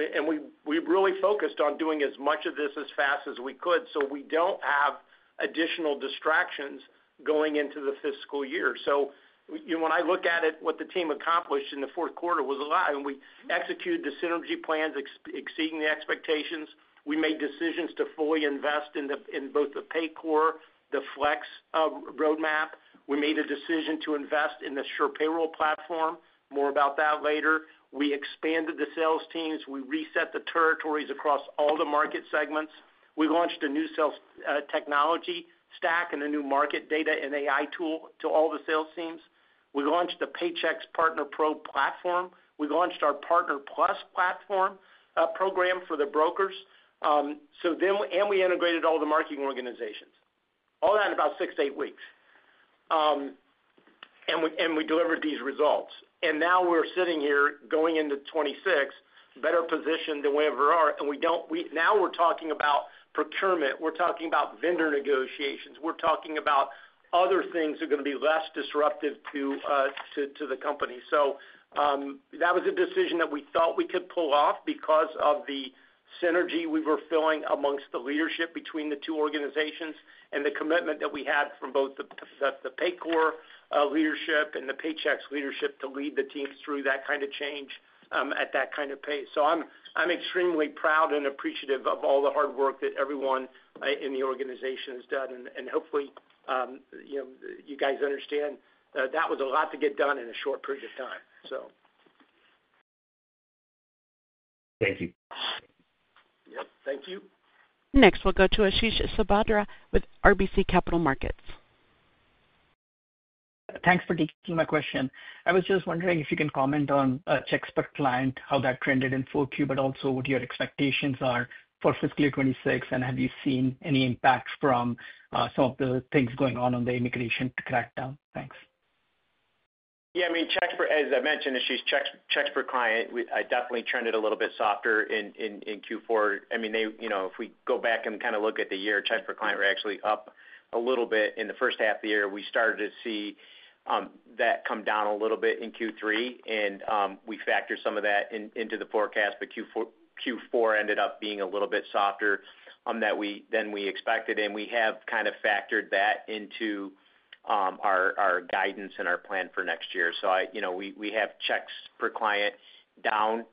really focused on doing as much of this as fast as we could so we do not have additional distractions going into the fiscal year. When I look at it, what the team accomplished in the fourth quarter was a lot. We executed the synergy plans exceeding the expectations. We made decisions to fully invest in both the Paycor, the Flex roadmap. We made a decision to invest in the SurePayroll platform, more about that later. We expanded the sales teams. We reset the territories across all the market segments. We launched a new sales technology stack and a new market data and AI tool to all the sales teams. We launched the Paychex Partner Pro platform. We launched our Partner Plus platform program for the brokers. We integrated all the marketing organizations. All that in about six to eight weeks. We delivered these results. Now we're sitting here going into 2026, better positioned than we ever are. Now we're talking about procurement. We're talking about vendor negotiations. We're talking about other things that are going to be less disruptive to the company. That was a decision that we thought we could pull off because of the synergy we were feeling amongst the leadership between the two organizations and the commitment that we had from both the Paycor leadership and the Paychex leadership to lead the teams through that kind of change at that kind of pace. I'm extremely proud and appreciative of all the hard work that everyone in the organization has done. Hopefully, you guys understand that was a lot to get done in a short period of time. Thank you. Yep. Thank you. Next, we'll go to Ashish Sabadra with RBC Capital Markets. Thanks for taking my question. I was just wondering if you can comment on checks per client, how that trended in 2024, but also what your expectations are for fiscal year 2026, and have you seen any impact from some of the things going on on the immigration to crack down? Thanks. Yeah. I mean, per as I mentioned, issues checks per client, it definitely trended a little bit softer in Q4. I mean, if we go back and kind of look at the year, Paychex client were actually up a little bit in the first half of the year. We started to see that come down a little bit in Q3, and we factored some of that into the forecast, but Q4 ended up being a little bit softer than we expected. We have kind of factored that into our guidance and our plan for next year. We have checks per client down,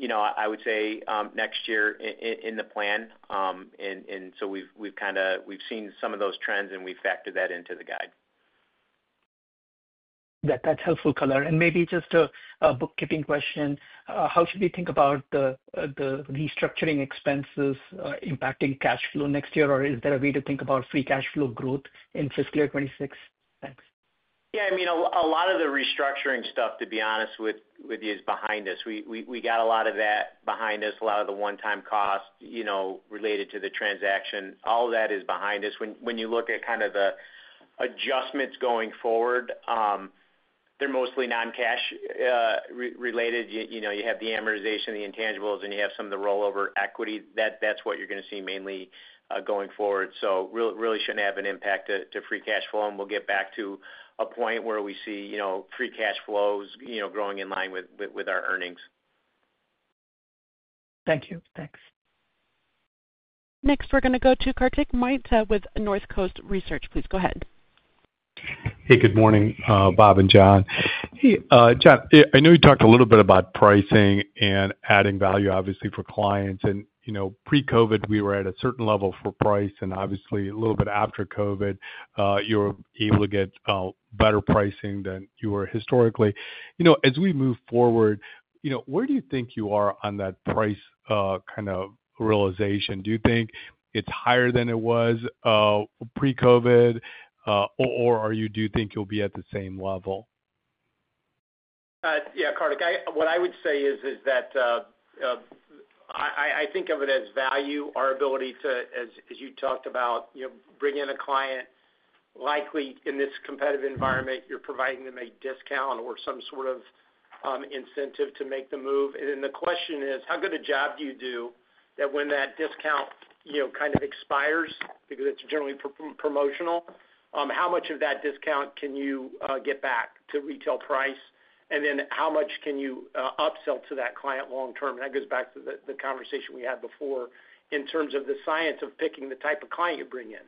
I would say, next year in the plan. We have kind of seen some of those trends, and we factored that into the guide. That is helpful, Color. Maybe just a bookkeeping question. How should we think about the restructuring expenses impacting cash flow next year, or is there a way to think about free cash flow growth in fiscal year 2026? Thanks. Yeah. I mean, a lot of the restructuring stuff, to be honest with you, is behind us. We got a lot of that behind us, a lot of the one-time costs related to the transaction. All of that is behind us. When you look at kind of the adjustments going forward, they are mostly non-cash related. You have the amortization, the intangibles, and you have some of the rollover equity. That is what you are going to see mainly going forward. It really should not have an impact to free cash flow. We will get back to a point where we see free cash flows growing in line with our earnings. Thank you. Thanks. Next, we are going to go to Kartik Mehta with Northcoast Research. Please go ahead. Hey, good morning, Bob and John. John, I know you talked a little bit about pricing and adding value, obviously, for clients. Pre-COVID, we were at a certain level for price, and obviously, a little bit after COVID, you were able to get better pricing than you were historically. As we move forward, where do you think you are on that price kind of realization? Do you think it is higher than it was pre-COVID, or do you think you will be at the same level? Yeah, Kartik, what I would say is that I think of it as value, our ability to, as you talked about, bring in a client likely in this competitive environment, you're providing them a discount or some sort of incentive to make the move. The question is, how good a job do you do that when that discount kind of expires because it's generally promotional, how much of that discount can you get back to retail price? How much can you upsell to that client long-term? That goes back to the conversation we had before in terms of the science of picking the type of client you bring in.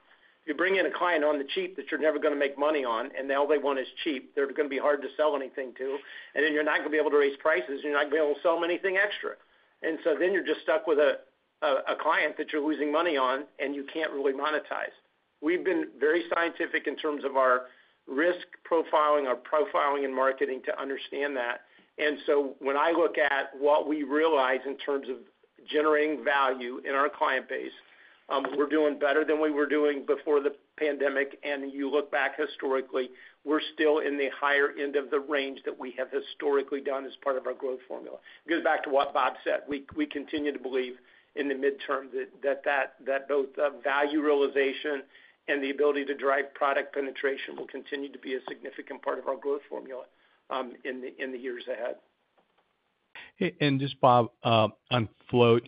You bring in a client on the cheap that you're never going to make money on, and all they want is cheap. They're going to be hard to sell anything to. You're not going to be able to raise prices, and you're not going to be able to sell them anything extra. Then you're just stuck with a client that you're losing money on, and you can't really monetize. We've been very scientific in terms of our risk profiling, our profiling and marketing to understand that. When I look at what we realize in terms of generating value in our client base, we're doing better than we were doing before the pandemic. You look back historically, we're still in the higher end of the range that we have historically done as part of our growth formula. It goes back to what Bob said. We continue to believe in the midterm that both value realization and the ability to drive product penetration will continue to be a significant part of our growth formula in the years ahead. Just, Bob, on float,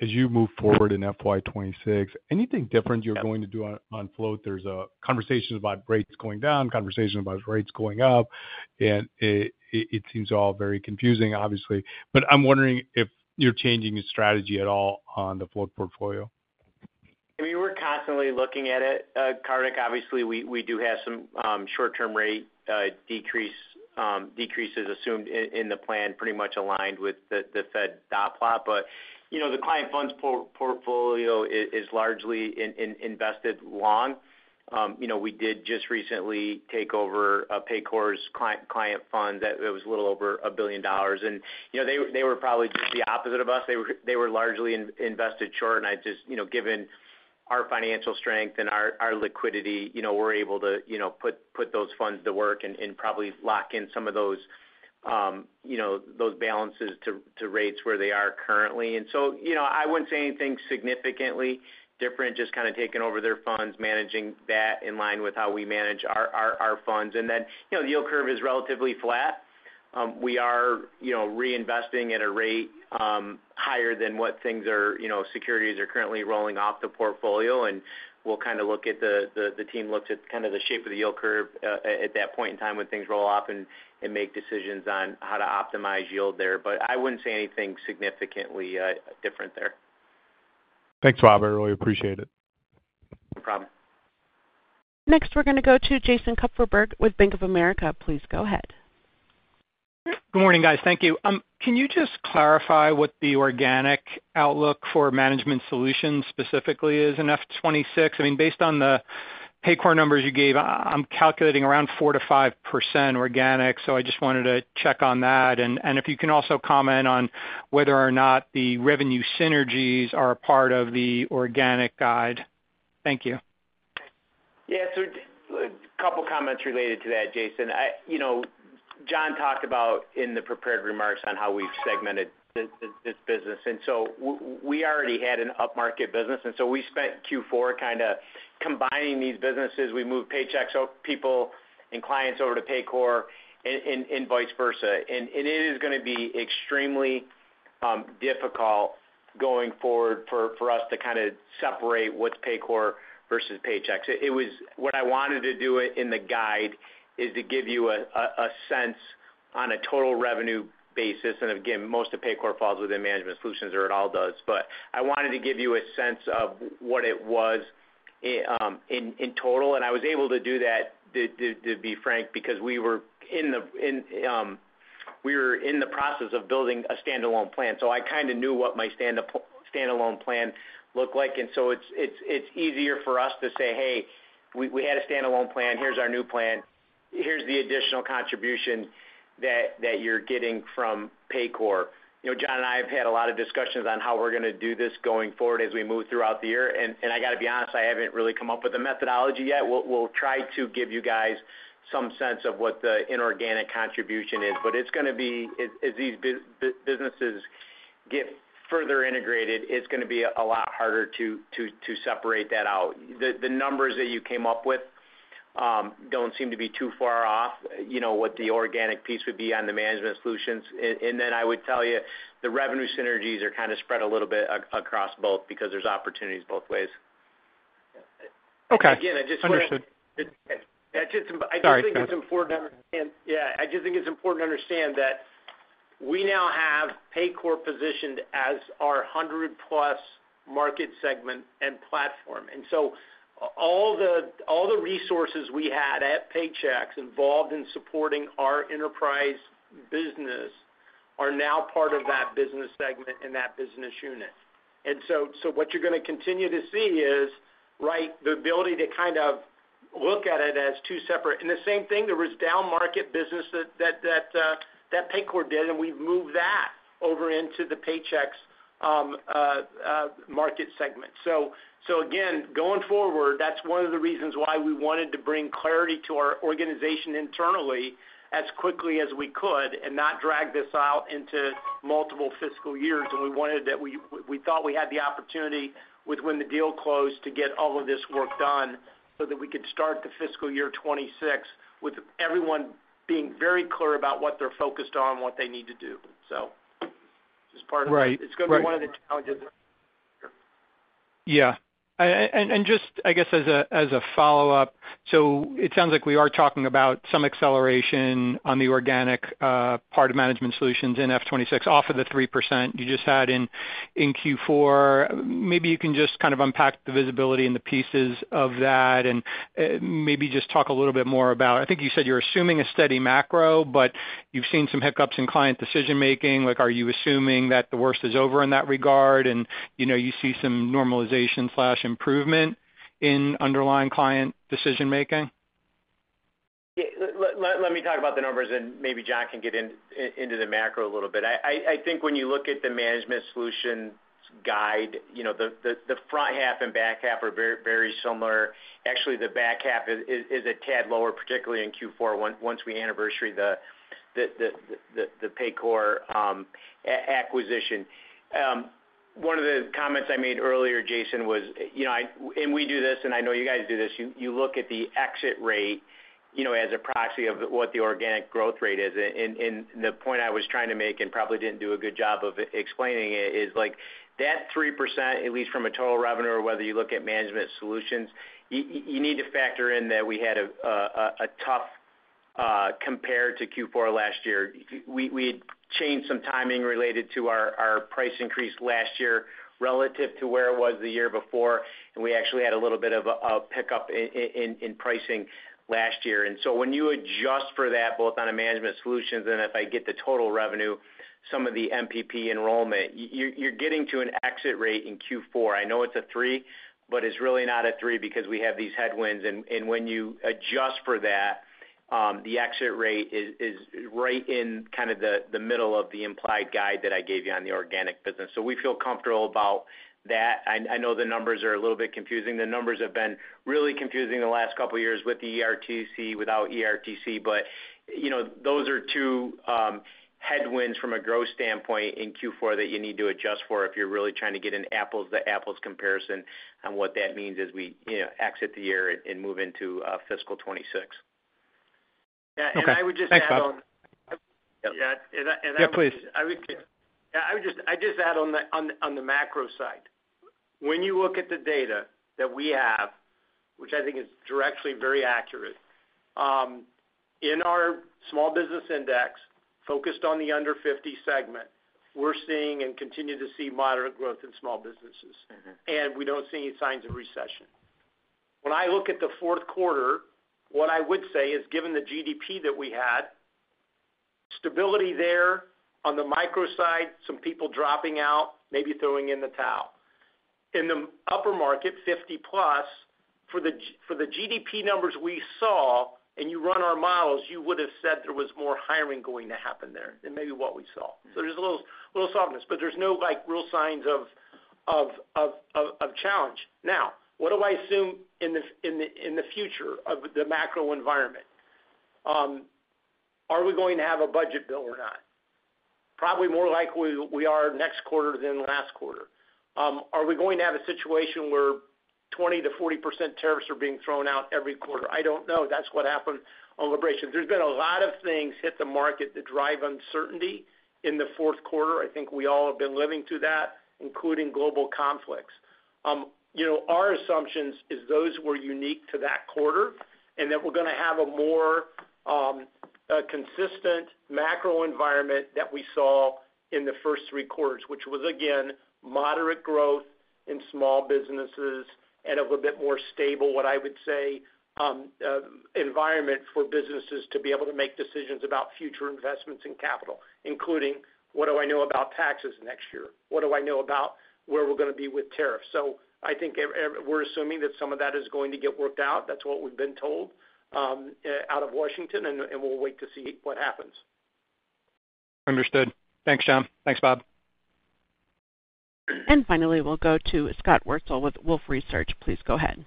as you move forward in fiscal year 2026, anything different you are going to do on float? There are conversations about rates going down, conversations about rates going up. It seems all very confusing, obviously. I am wondering if you are changing your strategy at all on the float portfolio. I mean, we are constantly looking at it. Kartik, obviously, we do have some short-term rate decreases assumed in the plan, pretty much aligned with the Fed dot plot. The client funds portfolio is largely invested long. We did just recently take over Paycor's client fund. It was a little over $1 billion. They were probably just the opposite of us. They were largely invested short. I just, given our financial strength and our liquidity, we're able to put those funds to work and probably lock in some of those balances to rates where they are currently. I wouldn't say anything significantly different, just kind of taking over their funds, managing that in line with how we manage our funds. The yield curve is relatively flat. We are reinvesting at a rate higher than what securities are currently rolling off the portfolio. We'll look at the team, looked at kind of the shape of the yield curve at that point in time when things roll off and make decisions on how to optimize yield there. I wouldn't say anything significantly different there. Thanks, Bob. I really appreciate it. No problem. Next, we're going to go to Jason Kupferberg with Bank of America. Please go ahead. Good morning, guys. Thank you. Can you just clarify what the organic outlook for management solutions specifically is in F2026? I mean, based on the Paycor numbers you gave, I'm calculating around 4-5% organic. I just wanted to check on that. And if you can also comment on whether or not the revenue synergies are a part of the organic guide. Thank you. Yeah. A couple of comments related to that, Jason. John talked about in the prepared remarks on how we've segmented this business. We already had an up-market business. We spent Q4 kind of combining these businesses. We moved Paychex people and clients over to Paycor and vice versa. It is going to be extremely difficult going forward for us to kind of separate what's Paycor versus Paychex. What I wanted to do in the guide is to give you a sense on a total revenue basis. Again, most of Paycor falls within management solutions or it all does. I wanted to give you a sense of what it was in total. I was able to do that, to be frank, because we were in the process of building a standalone plan. I kind of knew what my standalone plan looked like. It is easier for us to say, "Hey, we had a standalone plan. Here's our new plan. Here's the additional contribution that you're getting from Paycor. John and I have had a lot of discussions on how we're going to do this going forward as we move throughout the year. I got to be honest, I haven't really come up with a methodology yet. We'll try to give you guys some sense of what the inorganic contribution is. It is going to be, as these businesses get further integrated, a lot harder to separate that out. The numbers that you came up with do not seem to be too far off what the organic piece would be on the management solutions. I would tell you the revenue synergies are kind of spread a little bit across both because there are opportunities both ways. I just think it's important to understand. Yeah. I just think it's important to understand that we now have Paycor positioned as our 100-plus market segment and platform. All the resources we had at Paychex involved in supporting our enterprise business are now part of that business segment and that business unit. What you're going to continue to see is, right, the ability to kind of look at it as two separate—and the same thing, there was down-market business that Paycor did, and we've moved that over into the Paychex market segment. Again, going forward, that's one of the reasons why we wanted to bring clarity to our organization internally as quickly as we could and not drag this out into multiple fiscal years. We thought we had the opportunity when the deal closed to get all of this work done so that we could start the fiscal year 2026 with everyone being very clear about what they're focused on and what they need to do. It is just part of—it is going to be one of the challenges of the year. Yeah. Just, I guess, as a follow-up, it sounds like we are talking about some acceleration on the organic part of management solutions in fiscal 2026 off of the 3% you just had in Q4. Maybe you can just kind of unpack the visibility and the pieces of that and maybe just talk a little bit more about—I think you said you are assuming a steady macro, but you have seen some hiccups in client decision-making. Are you assuming that the worst is over in that regard and you see some normalization/improvement in underlying client decision-making? Yeah. Let me talk about the numbers, and maybe John can get into the macro a little bit. I think when you look at the management solution guide, the front half and back half are very similar. Actually, the back half is a tad lower, particularly in Q4 once we anniversary the Paycor acquisition. One of the comments I made earlier, Jason, was—and we do this, and I know you guys do this—you look at the exit rate as a proxy of what the organic growth rate is. The point I was trying to make and probably did not do a good job of explaining it is that 3%, at least from a total revenue or whether you look at management solutions, you need to factor in that we had a tough compare to Q4 last year. We had changed some timing related to our price increase last year relative to where it was the year before. We actually had a little bit of a pickup in pricing last year. When you adjust for that, both on a management solution and if I get the total revenue, some of the MPP enrollment, you are getting to an exit rate in Q4. I know it is a 3, but it is really not a 3 because we have these headwinds. When you adjust for that, the exit rate is right in kind of the middle of the implied guide that I gave you on the organic business. We feel comfortable about that. I know the numbers are a little bit confusing. The numbers have been really confusing the last couple of years with the ERTC, without ERTC. Those are two headwinds from a growth standpoint in Q4 that you need to adjust for if you're really trying to get an apples-to-apples comparison on what that means as we exit the year and move into fiscal 2026. Yeah. I would just add on—yeah. Please. Yeah. I would just add on the macro side. When you look at the data that we have, which I think is directly very accurate, in our small business index focused on the under 50 segment, we're seeing and continue to see moderate growth in small businesses. We don't see any signs of recession. When I look at the fourth quarter, what I would say is, given the GDP that we had, stability there on the micro side, some people dropping out, maybe throwing in the towel. In the upper market, 50-plus, for the GDP numbers we saw, and you run our models, you would have said there was more hiring going to happen there. Maybe what we saw. There's a little softness. There's no real signs of challenge. Now, what do I assume in the future of the macro environment? Are we going to have a budget bill or not? Probably more likely we are next quarter than last quarter. Are we going to have a situation where 20-40% tariffs are being thrown out every quarter? I don't know. That's what happened on liberation. There's been a lot of things hit the market that drive uncertainty in the fourth quarter. I think we all have been living through that, including global conflicts. Our assumption is those were unique to that quarter, and that we're going to have a more consistent macro environment that we saw in the first three quarters, which was, again, moderate growth in small businesses and a little bit more stable, what I would say, environment for businesses to be able to make decisions about future investments and capital, including what do I know about taxes next year? What do I know about where we're going to be with tariffs? I think we're assuming that some of that is going to get worked out. That's what we've been told out of Washington. We'll wait to see what happens. Understood. Thanks, John. Thanks, Bob. Finally, we'll go to Scott Wurtzel with Wolfe Research. Please go ahead.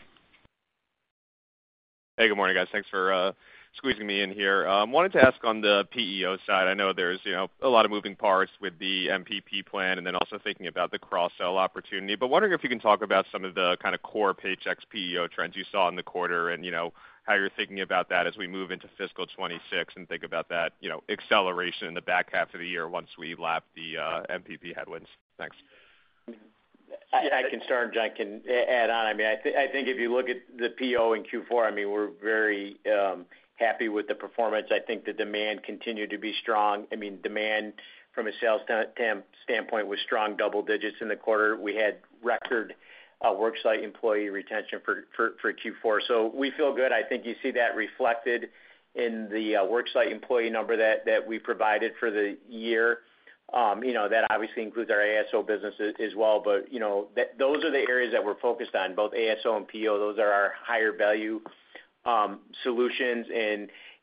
Hey, good morning, guys. Thanks for squeezing me in here. Wanted to ask on the PEO side. I know there's a lot of moving parts with the MPP plan and then also thinking about the cross-sell opportunity. Wondering if you can talk about some of the kind of core Paychex PEO trends you saw in the quarter and how you're thinking about that as we move into fiscal 2026 and think about that acceleration in the back half of the year once we lap the MPP headwinds. Thanks. I can start, and John can add on. I mean, I think if you look at the PEO in Q4, I mean, we're very happy with the performance. I think the demand continued to be strong. I mean, demand from a sales standpoint was strong double digits in the quarter. We had record worksite employee retention for Q4. We feel good. I think you see that reflected in the worksite employee number that we provided for the year. That obviously includes our ASO business as well. Those are the areas that we're focused on, both ASO and PEO. Those are our higher value solutions.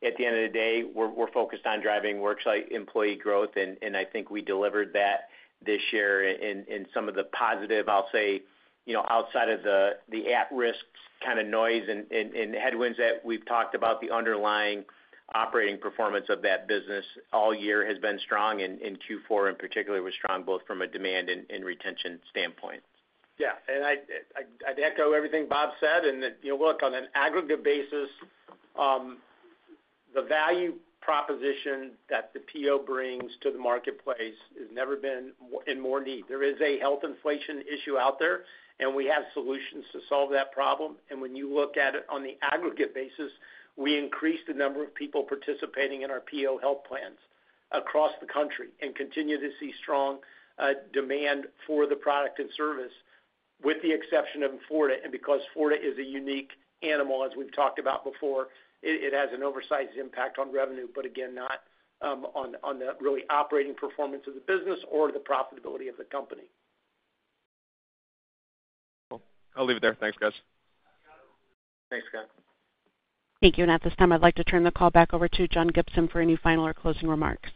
At the end of the day, we're focused on driving worksite employee growth. I think we delivered that this year. Some of the positive, I'll say, outside of the at-risk kind of noise and headwinds that we've talked about, the underlying operating performance of that business all year has been strong. Q4, in particular, was strong both from a demand and retention standpoint. Yeah. I'd echo everything Bob said. On an aggregate basis, the value proposition that the PO brings to the marketplace has never been in more need. There is a health inflation issue out there, and we have solutions to solve that problem. When you look at it on the aggregate basis, we increased the number of people participating in our PO health plans across the country and continue to see strong demand for the product and service, with the exception of Florida. Because Florida is a unique animal, as we've talked about before, it has an oversized impact on revenue, but again, not on the really operating performance of the business or the profitability of the company. Cool. I'll leave it there. Thanks, guys. Thanks, Scott. Thank you. At this time, I'd like to turn the call back over to John Gibson for any final or closing remarks.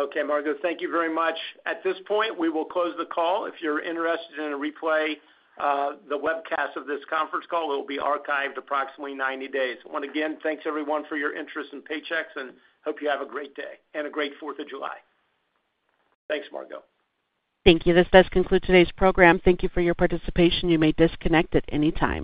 Okay, Margo. Thank you very much. At this point, we will close the call. If you're interested in a replay, the webcast of this conference call will be archived approximately 90 days. Once again, thanks everyone for your interest in Paychex, and hope you have a great day and a great 4th of July. Thanks, Margo. Thank you. This does conclude today's program. Thank you for your participation. You may disconnect at any time.